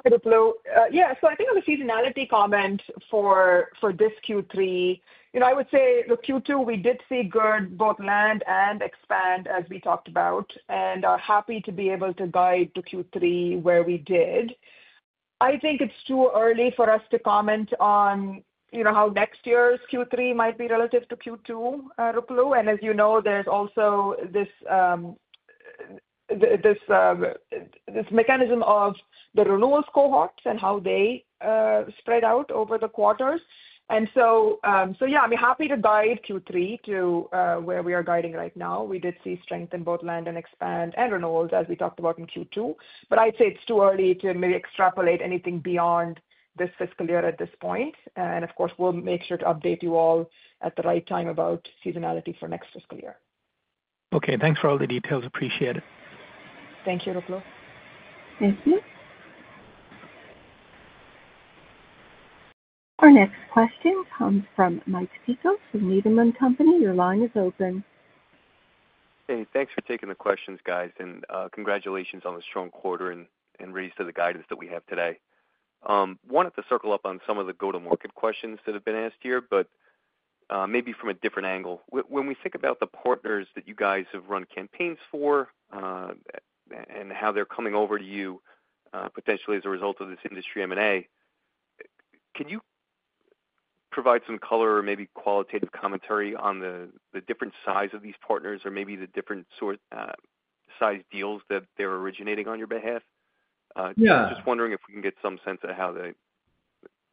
Hi, Ruplu. Yeah. So I think on the seasonality comment for this Q3, I would say, look, Q2, we did see good both land and expand, as we talked about, and are happy to be able to guide to Q3 where we did. I think it's too early for us to comment on how next year's Q3 might be relative to Q2, Ruplu. And as you know, there's also this mechanism of the renewals cohorts and how they spread out over the quarters. And so, yeah, I'm happy to guide Q3 to where we are guiding right now. We did see strength in both land and expand and renewals, as we talked about in Q2. But I'd say it's too early to maybe extrapolate anything beyond this fiscal year at this point. Of course, we'll make sure to update you all at the right time about seasonality for next fiscal year. Okay. Thanks for all the details. Appreciate it. Thank you, Ruplu. Thank you. Our next question comes from Mike Cikos from Needham & Company. Your line is open. Hey, thanks for taking the questions, guys. Congratulations on the strong quarter and raise to the guidance that we have today. Wanted to circle up on some of the go-to-market questions that have been asked here, but maybe from a different angle. When we think about the partners that you guys have run campaigns for and how they're coming over to you potentially as a result of this industry M&A, can you provide some color or maybe qualitative commentary on the different size of these partners or maybe the different size deals that they're originating on your behalf? Yeah. Just wondering if we can get some sense of how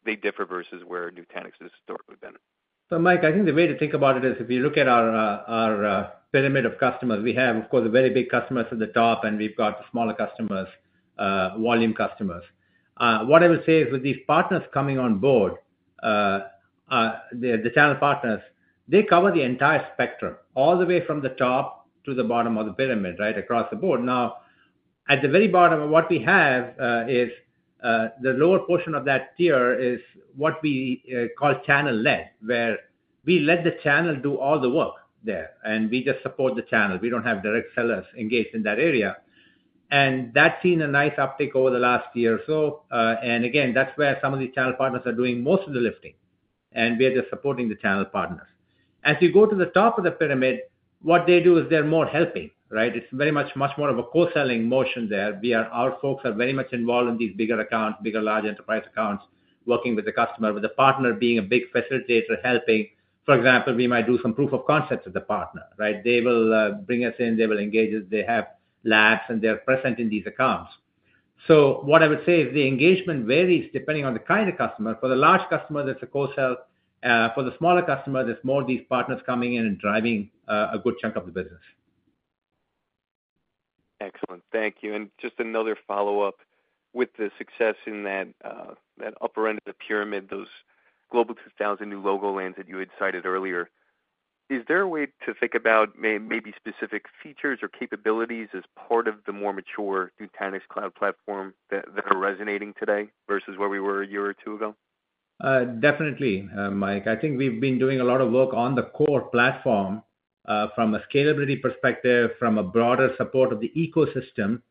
they differ versus where Nutanix has historically been. So Mike, I think the way to think about it is if you look at our pyramid of customers, we have, of course, the very big customers at the top, and we've got the smaller customers, volume customers. What I would say is with these partners coming on board, the channel partners, they cover the entire spectrum all the way from the top to the bottom of the pyramid, right, across the board. Now, at the very bottom, what we have is the lower portion of that tier is what we call channel led, where we let the channel do all the work there. And we just support the channel. We don't have direct sellers engaged in that area. And that's seen a nice uptick over the last year or so. And again, that's where some of these channel partners are doing most of the lifting. We are just supporting the channel partners. As you go to the top of the pyramid, what they do is they're more helping, right? It's very much more of a co-selling motion there. Our folks are very much involved in these bigger accounts, bigger large enterprise accounts, working with the customer, with the partner being a big facilitator helping. For example, we might do some proof of concept with the partner, right? They will bring us in. They will engage us. They have labs, and they're present in these accounts. So what I would say is the engagement varies depending on the kind of customer. For the large customer, there's a co-sell. For the smaller customer, there's more of these partners coming in and driving a good chunk of the business. Excellent. Thank you. And just another follow-up with the success in that upper end of the pyramid, those Global 2000 new logo wins that you had cited earlier. Is there a way to think about maybe specific features or capabilities as part of the more mature Nutanix Cloud Platform that are resonating today versus where we were a year or two ago? Definitely, Mike. I think we've been doing a lot of work on the core platform from a scalability perspective, from a broader support of the ecosystem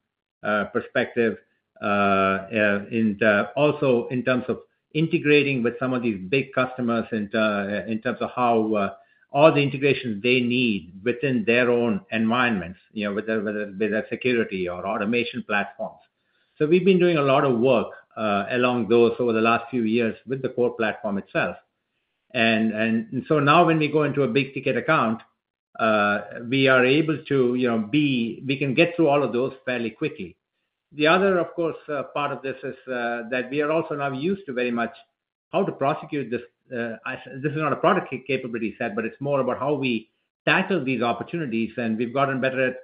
perspective, and also in terms of integrating with some of these big customers in terms of how all the integrations they need within their own environments, whether that's security or automation platforms. So we've been doing a lot of work along those over the last few years with the core platform itself. And so now when we go into a big ticket account, we are able to get through all of those fairly quickly. The other, of course, part of this is that we are also now used to very much how to prosecute this. This is not a product capability set, but it's more about how we tackle these opportunities. We've gotten better at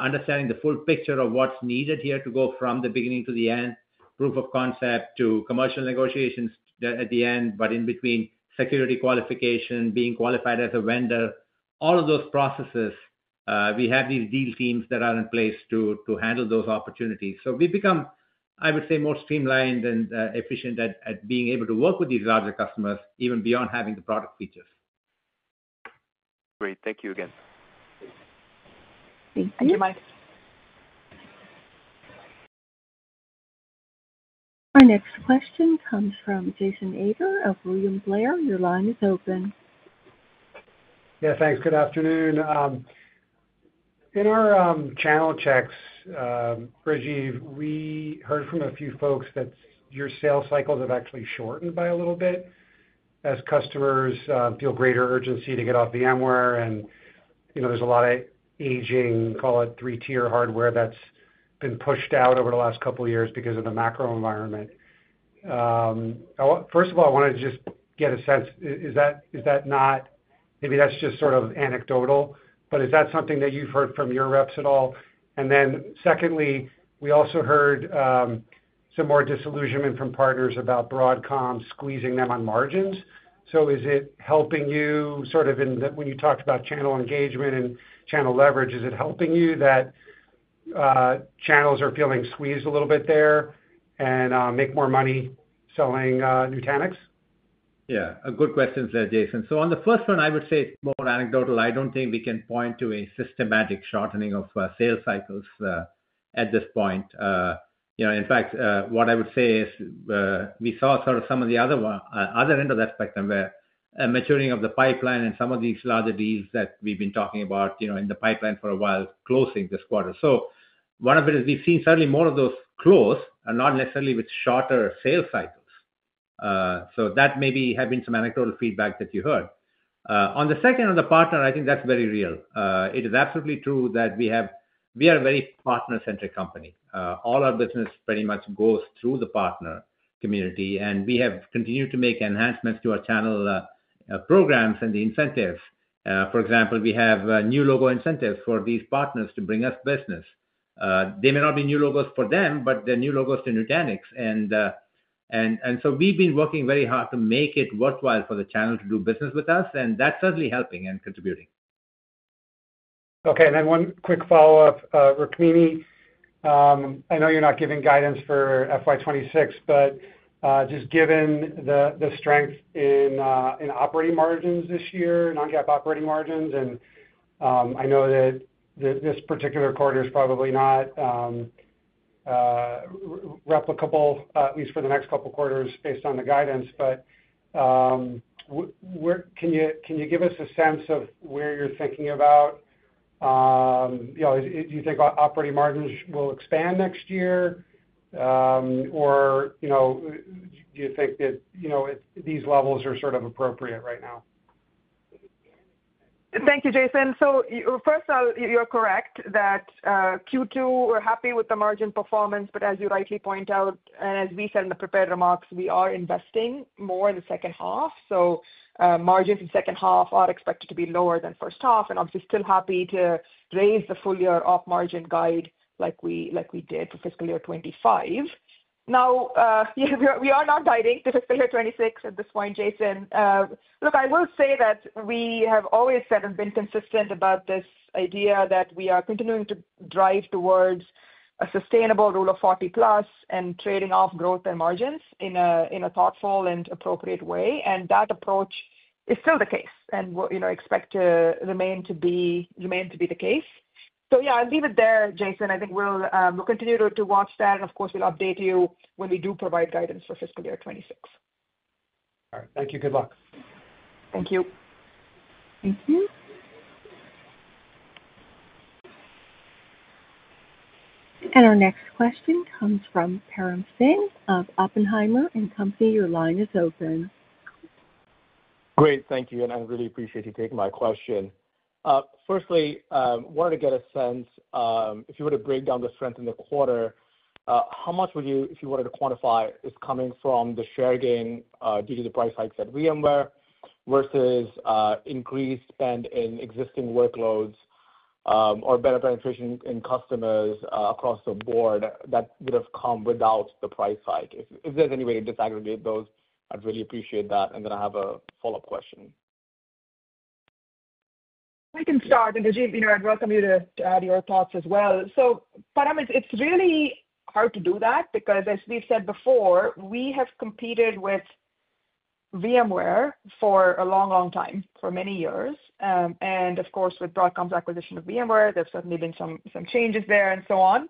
understanding the full picture of what's needed here to go from the beginning to the end, proof of concept to commercial negotiations at the end, but in between security qualification, being qualified as a vendor, all of those processes. We have these deal teams that are in place to handle those opportunities. We've become, I would say, more streamlined and efficient at being able to work with these larger customers even beyond having the product features. Great. Thank you again. Thank you, Mike. Our next question comes from Jason Ader of William Blair. Your line is open. Yeah. Thanks. Good afternoon. In our channel checks, Rajiv, we heard from a few folks that your sales cycles have actually shortened by a little bit as customers feel greater urgency to get off VMware. And there's a lot of aging, call it three-tier hardware that's been pushed out over the last couple of years because of the macro environment. First of all, I wanted to just get a sense. Is that not maybe that's just sort of anecdotal, but is that something that you've heard from your reps at all? And then secondly, we also heard some more disillusionment from partners about Broadcom squeezing them on margins. So is it helping you sort of in when you talked about channel engagement and channel leverage, is it helping you that channels are feeling squeezed a little bit there and make more money selling Nutanix? Yeah. A good question there, Jason. So on the first one, I would say it's more anecdotal. I don't think we can point to a systematic shortening of sales cycles at this point. In fact, what I would say is we saw sort of some of the other end of that spectrum where a maturing of the pipeline and some of these larger deals that we've been talking about in the pipeline for a while closing this quarter. So one of it is we've seen certainly more of those close and not necessarily with shorter sales cycles. So that maybe have been some anecdotal feedback that you heard. On the second one, the partner, I think that's very real. It is absolutely true that we are a very partner-centric company. All our business pretty much goes through the partner community. And we have continued to make enhancements to our channel programs and the incentives. For example, we have new logo incentives for these partners to bring us business. They may not be new logos for them, but they're new logos to Nutanix. And so we've been working very hard to make it worthwhile for the channel to do business with us. And that's certainly helping and contributing. Okay. And then one quick follow-up, Rukmini. I know you're not giving guidance for FY 2026, but just given the strength in operating margins this year, non-GAAP operating margins, and I know that this particular quarter is probably not replicable, at least for the next couple of quarters based on the guidance, but can you give us a sense of where you're thinking about? Do you think operating margins will expand next year, or do you think that these levels are sort of appropriate right now? Thank you, Jason. So first of all, you're correct that Q2, we're happy with the margin performance. But as you rightly point out, and as we said in the prepared remarks, we are investing more in the second half. So margins in the second half are expected to be lower than first half. And obviously, still happy to raise the full year op margin guide like we did for fiscal year 2025. Now, we are not guiding to fiscal year 2026 at this point, Jason. Look, I will say that we have always said and been consistent about this idea that we are continuing to drive towards a sustainable Rule of 40+ and trading off growth and margins in a thoughtful and appropriate way. And that approach is still the case and expect to remain to be the case. So yeah, I'll leave it there, Jason. I think we'll continue to watch that. And of course, we'll update you when we do provide guidance for fiscal year 2026. All right. Thank you. Good luck. Thank you. Thank you. And our next question comes from Param Singh of Oppenheimer & Company. Your line is open. Great. Thank you. And I really appreciate you taking my question. Firstly, I wanted to get a sense if you were to break down the strength in the quarter, how much would you, if you wanted to quantify, is coming from the share gain due to the price hikes at VMware versus increased spend in existing workloads or better penetration in customers across the board that would have come without the price hike? If there's any way to disaggregate those, I'd really appreciate that. And then I have a follow-up question. I can start. And Rajiv, I'd welcome you to add your thoughts as well. So Param, it's really hard to do that because, as we've said before, we have competed with VMware for a long, long time, for many years. And of course, with Broadcom's acquisition of VMware, there've certainly been some changes there and so on.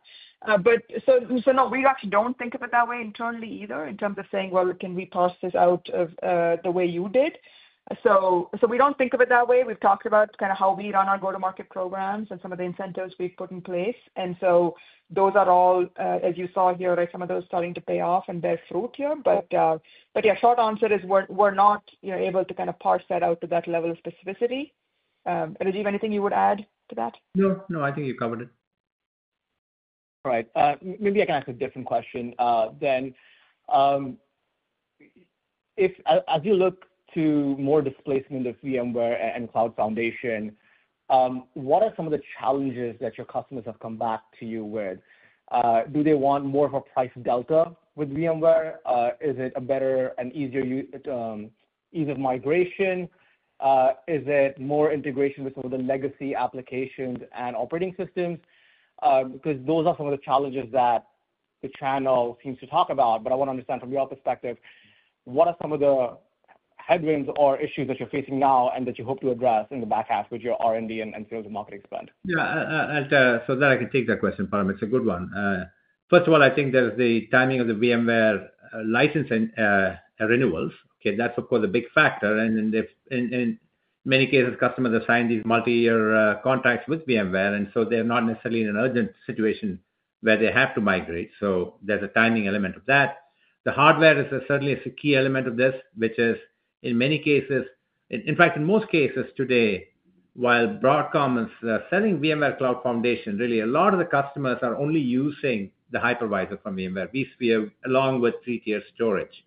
So no, we actually don't think of it that way internally either in terms of saying, well, can we parse this out the way you did? So we don't think of it that way. We've talked about kind of how we run our go-to-market programs and some of the incentives we've put in place. And so those are all, as you saw here, some of those starting to pay off and bear fruit here. But yeah, short answer is we're not able to kind of parse that out to that level of specificity. Rajiv, anything you would add to that? No. No, I think you covered it. All right. Maybe I can ask a different question then. As you look to more displacement of VMware and Cloud Foundation, what are some of the challenges that your customers have come back to you with? Do they want more of a price delta with VMware? Is it a better and easier ease of migration? Is it more integration with some of the legacy applications and operating systems? Because those are some of the challenges that the channel seems to talk about. But I want to understand from your perspective, what are some of the headwinds or issues that you're facing now and that you hope to address in the back half with your R&D and sales and marketing spend? Yeah. So that I can take that question, Param. It's a good one. First of all, I think there's the timing of the VMware license renewals. Okay. That's, of course, a big factor. And in many cases, customers have signed these multi-year contracts with VMware. And so they're not necessarily in an urgent situation where they have to migrate. So there's a timing element of that. The hardware is certainly a key element of this, which is in many cases in fact, in most cases today, while Broadcom is selling VMware Cloud Foundation, really a lot of the customers are only using the hypervisor from VMware vSphere along with three-tier storage.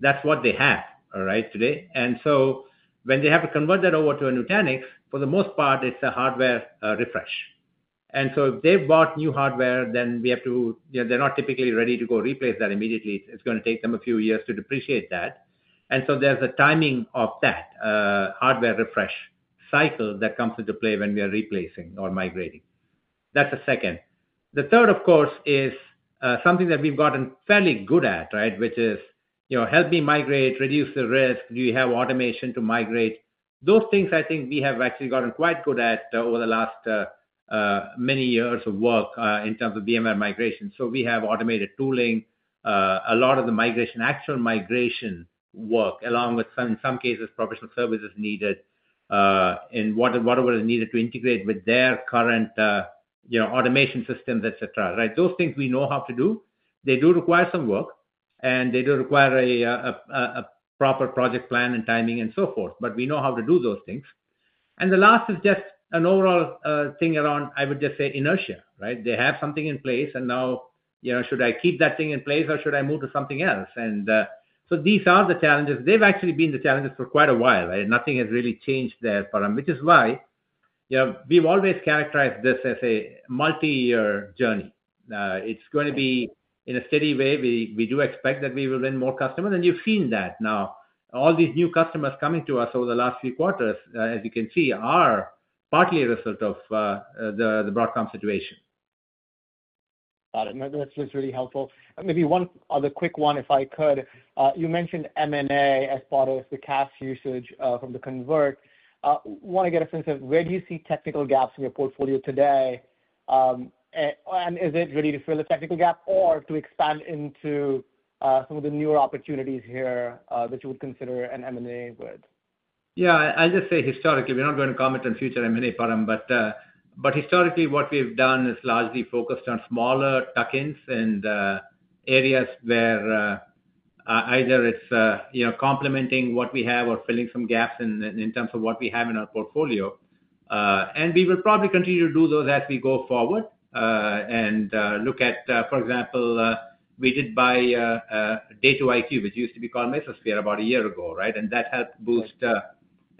That's what they have, right, today. And so when they have to convert that over to a Nutanix, for the most part, it's a hardware refresh. And so, if they've bought new hardware, then we have to. They're not typically ready to go replace that immediately. It's going to take them a few years to depreciate that. And so, there's a timing of that hardware refresh cycle that comes into play when we are replacing or migrating. That's the second. The third, of course, is something that we've gotten fairly good at, right, which is help me migrate, reduce the risk. Do you have automation to migrate? Those things, I think we have actually gotten quite good at over the last many years of work in terms of VMware migration. So, we have automated tooling, a lot of the migration, actual migration work, along with, in some cases, professional services needed and whatever is needed to integrate with their current automation systems, etc., right? Those things we know how to do. They do require some work, and they do require a proper project plan and timing and so forth, but we know how to do those things, and the last is just an overall thing around, I would just say, inertia, right? They have something in place, and now, should I keep that thing in place, or should I move to something else? And so these are the challenges. They've actually been the challenges for quite a while, right? Nothing has really changed there, Param, which is why we've always characterized this as a multi-year journey. It's going to be in a steady way, we do expect that we will win more customers, and you've seen that now. All these new customers coming to us over the last few quarters, as you can see, are partly a result of the Broadcom situation. Got it. That's really helpful. Maybe one other quick one, if I could. You mentioned M&A as part of the cash usage from the convert. I want to get a sense of where do you see technical gaps in your portfolio today? And is it ready to fill the technical gap or to expand into some of the newer opportunities here that you would consider an M&A with? Yeah. I'll just say historically, we're not going to comment on future M&A, Param. But historically, what we've done is largely focused on smaller tuck-ins and areas where either it's complementing what we have or filling some gaps in terms of what we have in our portfolio. And we will probably continue to do those as we go forward and look at, for example, we did buy D2iQ, which used to be called Mesosphere about a year ago, right? And that helped boost our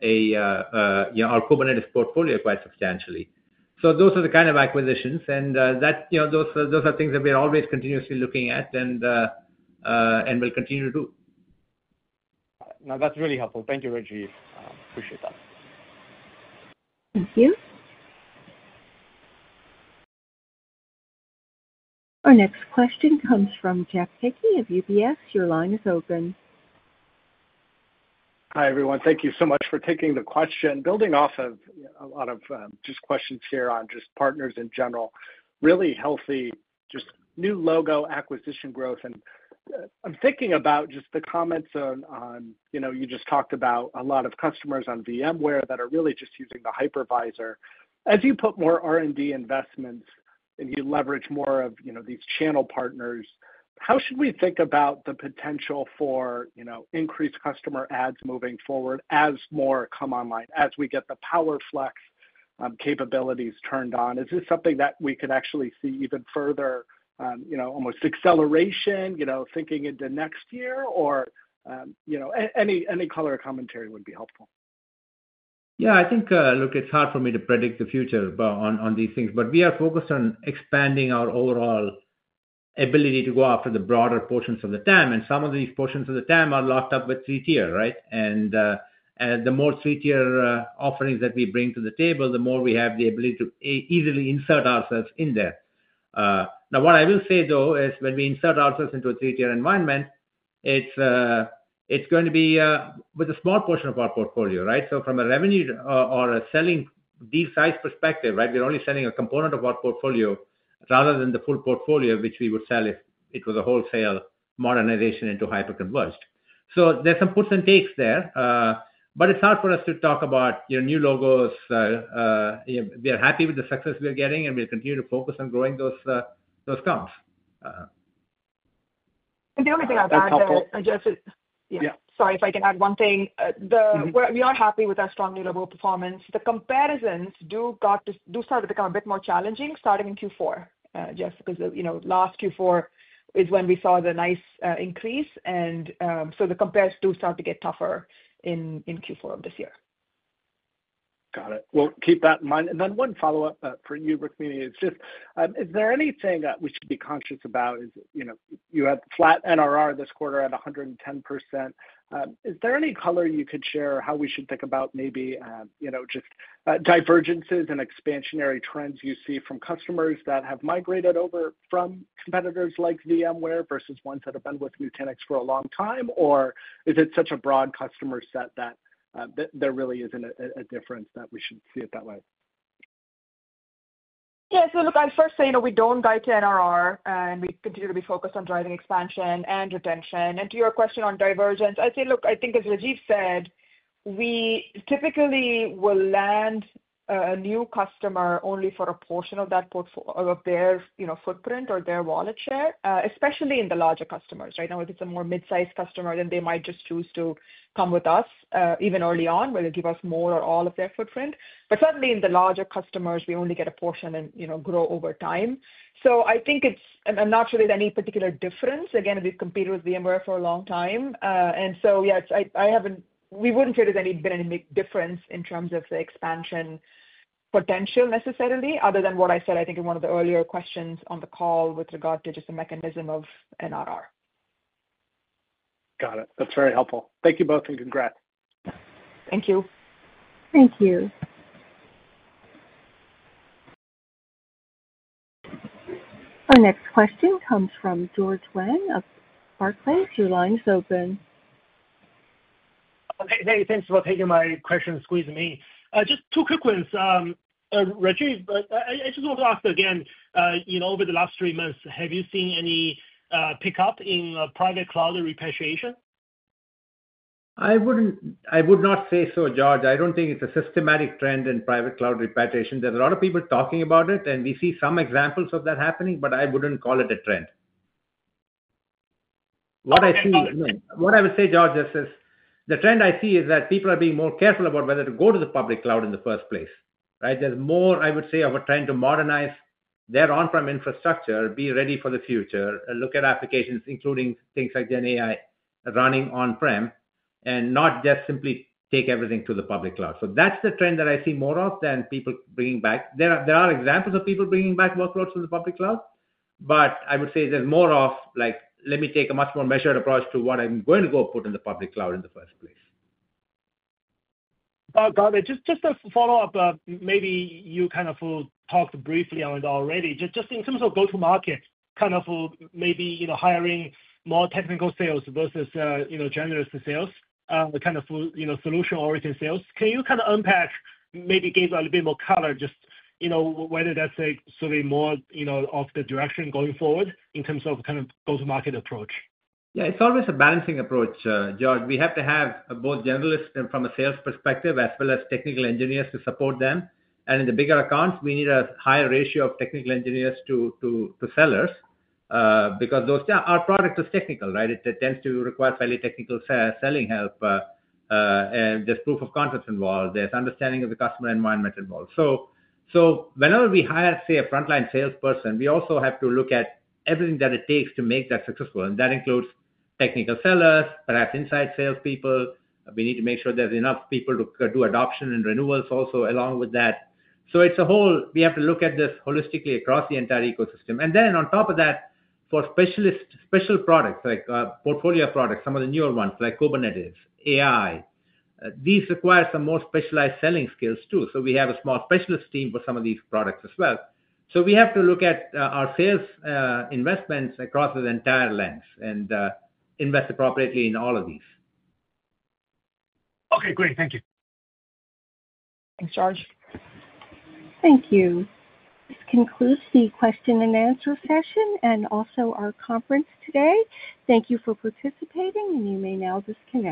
Kubernetes portfolio quite substantially. So those are the kind of acquisitions. And those are things that we're always continuously looking at and will continue to do. Got it. No, that's really helpful. Thank you, Rajiv. Appreciate that. Thank you. Our next question comes from Jeff Hickey of UBS. Your line is open. Hi, everyone. Thank you so much for taking the question. Building off of a lot of just questions here on just partners in general, really healthy, just new logo acquisition growth. And I'm thinking about just the comments on you just talked about a lot of customers on VMware that are really just using the hypervisor. As you put more R&D investments and you leverage more of these channel partners, how should we think about the potential for increased customer adds moving forward as more come online, as we get the PowerFlex capabilities turned on? Is this something that we could actually see even further, almost acceleration, thinking into next year? Or any color commentary would be helpful. Yeah. I think, look, it's hard for me to predict the future on these things. But we are focused on expanding our overall ability to go after the broader portions of the TAM. And some of these portions of the TAM are locked up with three-tier, right? And the more three-tier offerings that we bring to the table, the more we have the ability to easily insert ourselves in there. Now, what I will say, though, is when we insert ourselves into a three-tier environment, it's going to be with a small portion of our portfolio, right? So from a revenue or a selling deal-sized perspective, right, we're only selling a component of our portfolio rather than the full portfolio, which we would sell if it was a wholesale modernization into hyper-converged. So there's some puts and takes there. But it's hard for us to talk about new logos. We are happy with the success we are getting, and we'll continue to focus on growing those comps. And the only thing I'll add there, Jeff. Yeah. Sorry, if I can add one thing. We are happy with our strong new logo performance. The comparisons do start to become a bit more challenging starting in Q4, Jeff, because last Q4 is when we saw the nice increase, and so the comparisons do start to get tougher in Q4 of this year. Got it. We'll keep that in mind, and then one follow-up for you, Rukmini. It's just, is there anything that we should be conscious about? You had flat NRR this quarter at 110%. Is there any color you could share how we should think about maybe just divergences and expansionary trends you see from customers that have migrated over from competitors like VMware versus ones that have been with Nutanix for a long time, or is it such a broad customer set that there really isn't a difference that we should see it that way? Yeah. So look, I'd first say we don't guide to NRR, and we continue to be focused on driving expansion and retention. And to your question on divergence, I'd say, look, I think, as Rajiv said, we typically will land a new customer only for a portion of their footprint or their wallet share, especially in the larger customers. Right now, if it's a more mid-sized customer, then they might just choose to come with us even early on, where they'll give us more or all of their footprint. But certainly, in the larger customers, we only get a portion and grow over time. So I think it's not really any particular difference. Again, we've competed with VMware for a long time. And so yeah, we wouldn't say there's been any big difference in terms of the expansion potential necessarily, other than what I said, I think, in one of the earlier questions on the call with regard to just the mechanism of NRR. Got it. That's very helpful. Thank you both, and congrats. Thank you. Thank you. Our next question comes from George Wang of Barclays. Your line is open. Hey, thanks for taking my question and squeezing me. Just two quick ones. Rajiv, I just want to ask again, over the last three months, have you seen any pickup in private cloud repatriation? I would not say so, George. I don't think it's a systematic trend in private cloud repatriation. There's a lot of people talking about it, and we see some examples of that happening, but I wouldn't call it a trend. What I see is no. What I would say, George, is the trend I see is that people are being more careful about whether to go to the public cloud in the first place, right? There's more, I would say, of a trend to modernize their on-prem infrastructure, be ready for the future, and look at applications, including things like GenAI, running on-prem, and not just simply take everything to the public cloud. So that's the trend that I see more of than people bringing back. There are examples of people bringing back workloads to the public cloud, but I would say there's more of, let me take a much more measured approach to what I'm going to go put in the public cloud in the first place. Got it. Just a follow-up. Maybe you kind of talked briefly on it already. Just in terms of go-to-market, kind of maybe hiring more technical sales versus generalist sales, kind of solution-oriented sales, can you kind of unpack, maybe give a little bit more color, just whether that's sort of more of the direction going forward in terms of kind of go-to-market approach? Yeah. It's always a balancing approach, George. We have to have both generalists from a sales perspective as well as technical engineers to support them. And in the bigger accounts, we need a higher ratio of technical engineers to sellers because our product is technical, right? It tends to require fairly technical selling help. There's proof of concepts involved. There's understanding of the customer environment involved. So whenever we hire, say, a frontline salesperson, we also have to look at everything that it takes to make that successful. And that includes technical sellers, perhaps inside salespeople. We need to make sure there's enough people to do adoption and renewals also along with that. So we have to look at this holistically across the entire ecosystem. And then on top of that, for special products like portfolio products, some of the newer ones like Kubernetes, AI, these require some more specialized selling skills too. So we have a small specialist team for some of these products as well. So we have to look at our sales investments across the entire length and invest appropriately in all of these. Okay. Great. Thank you. Thanks, George. Thank you. This concludes the question and answer session and also our conference today. Thank you for participating, and you may now disconnect.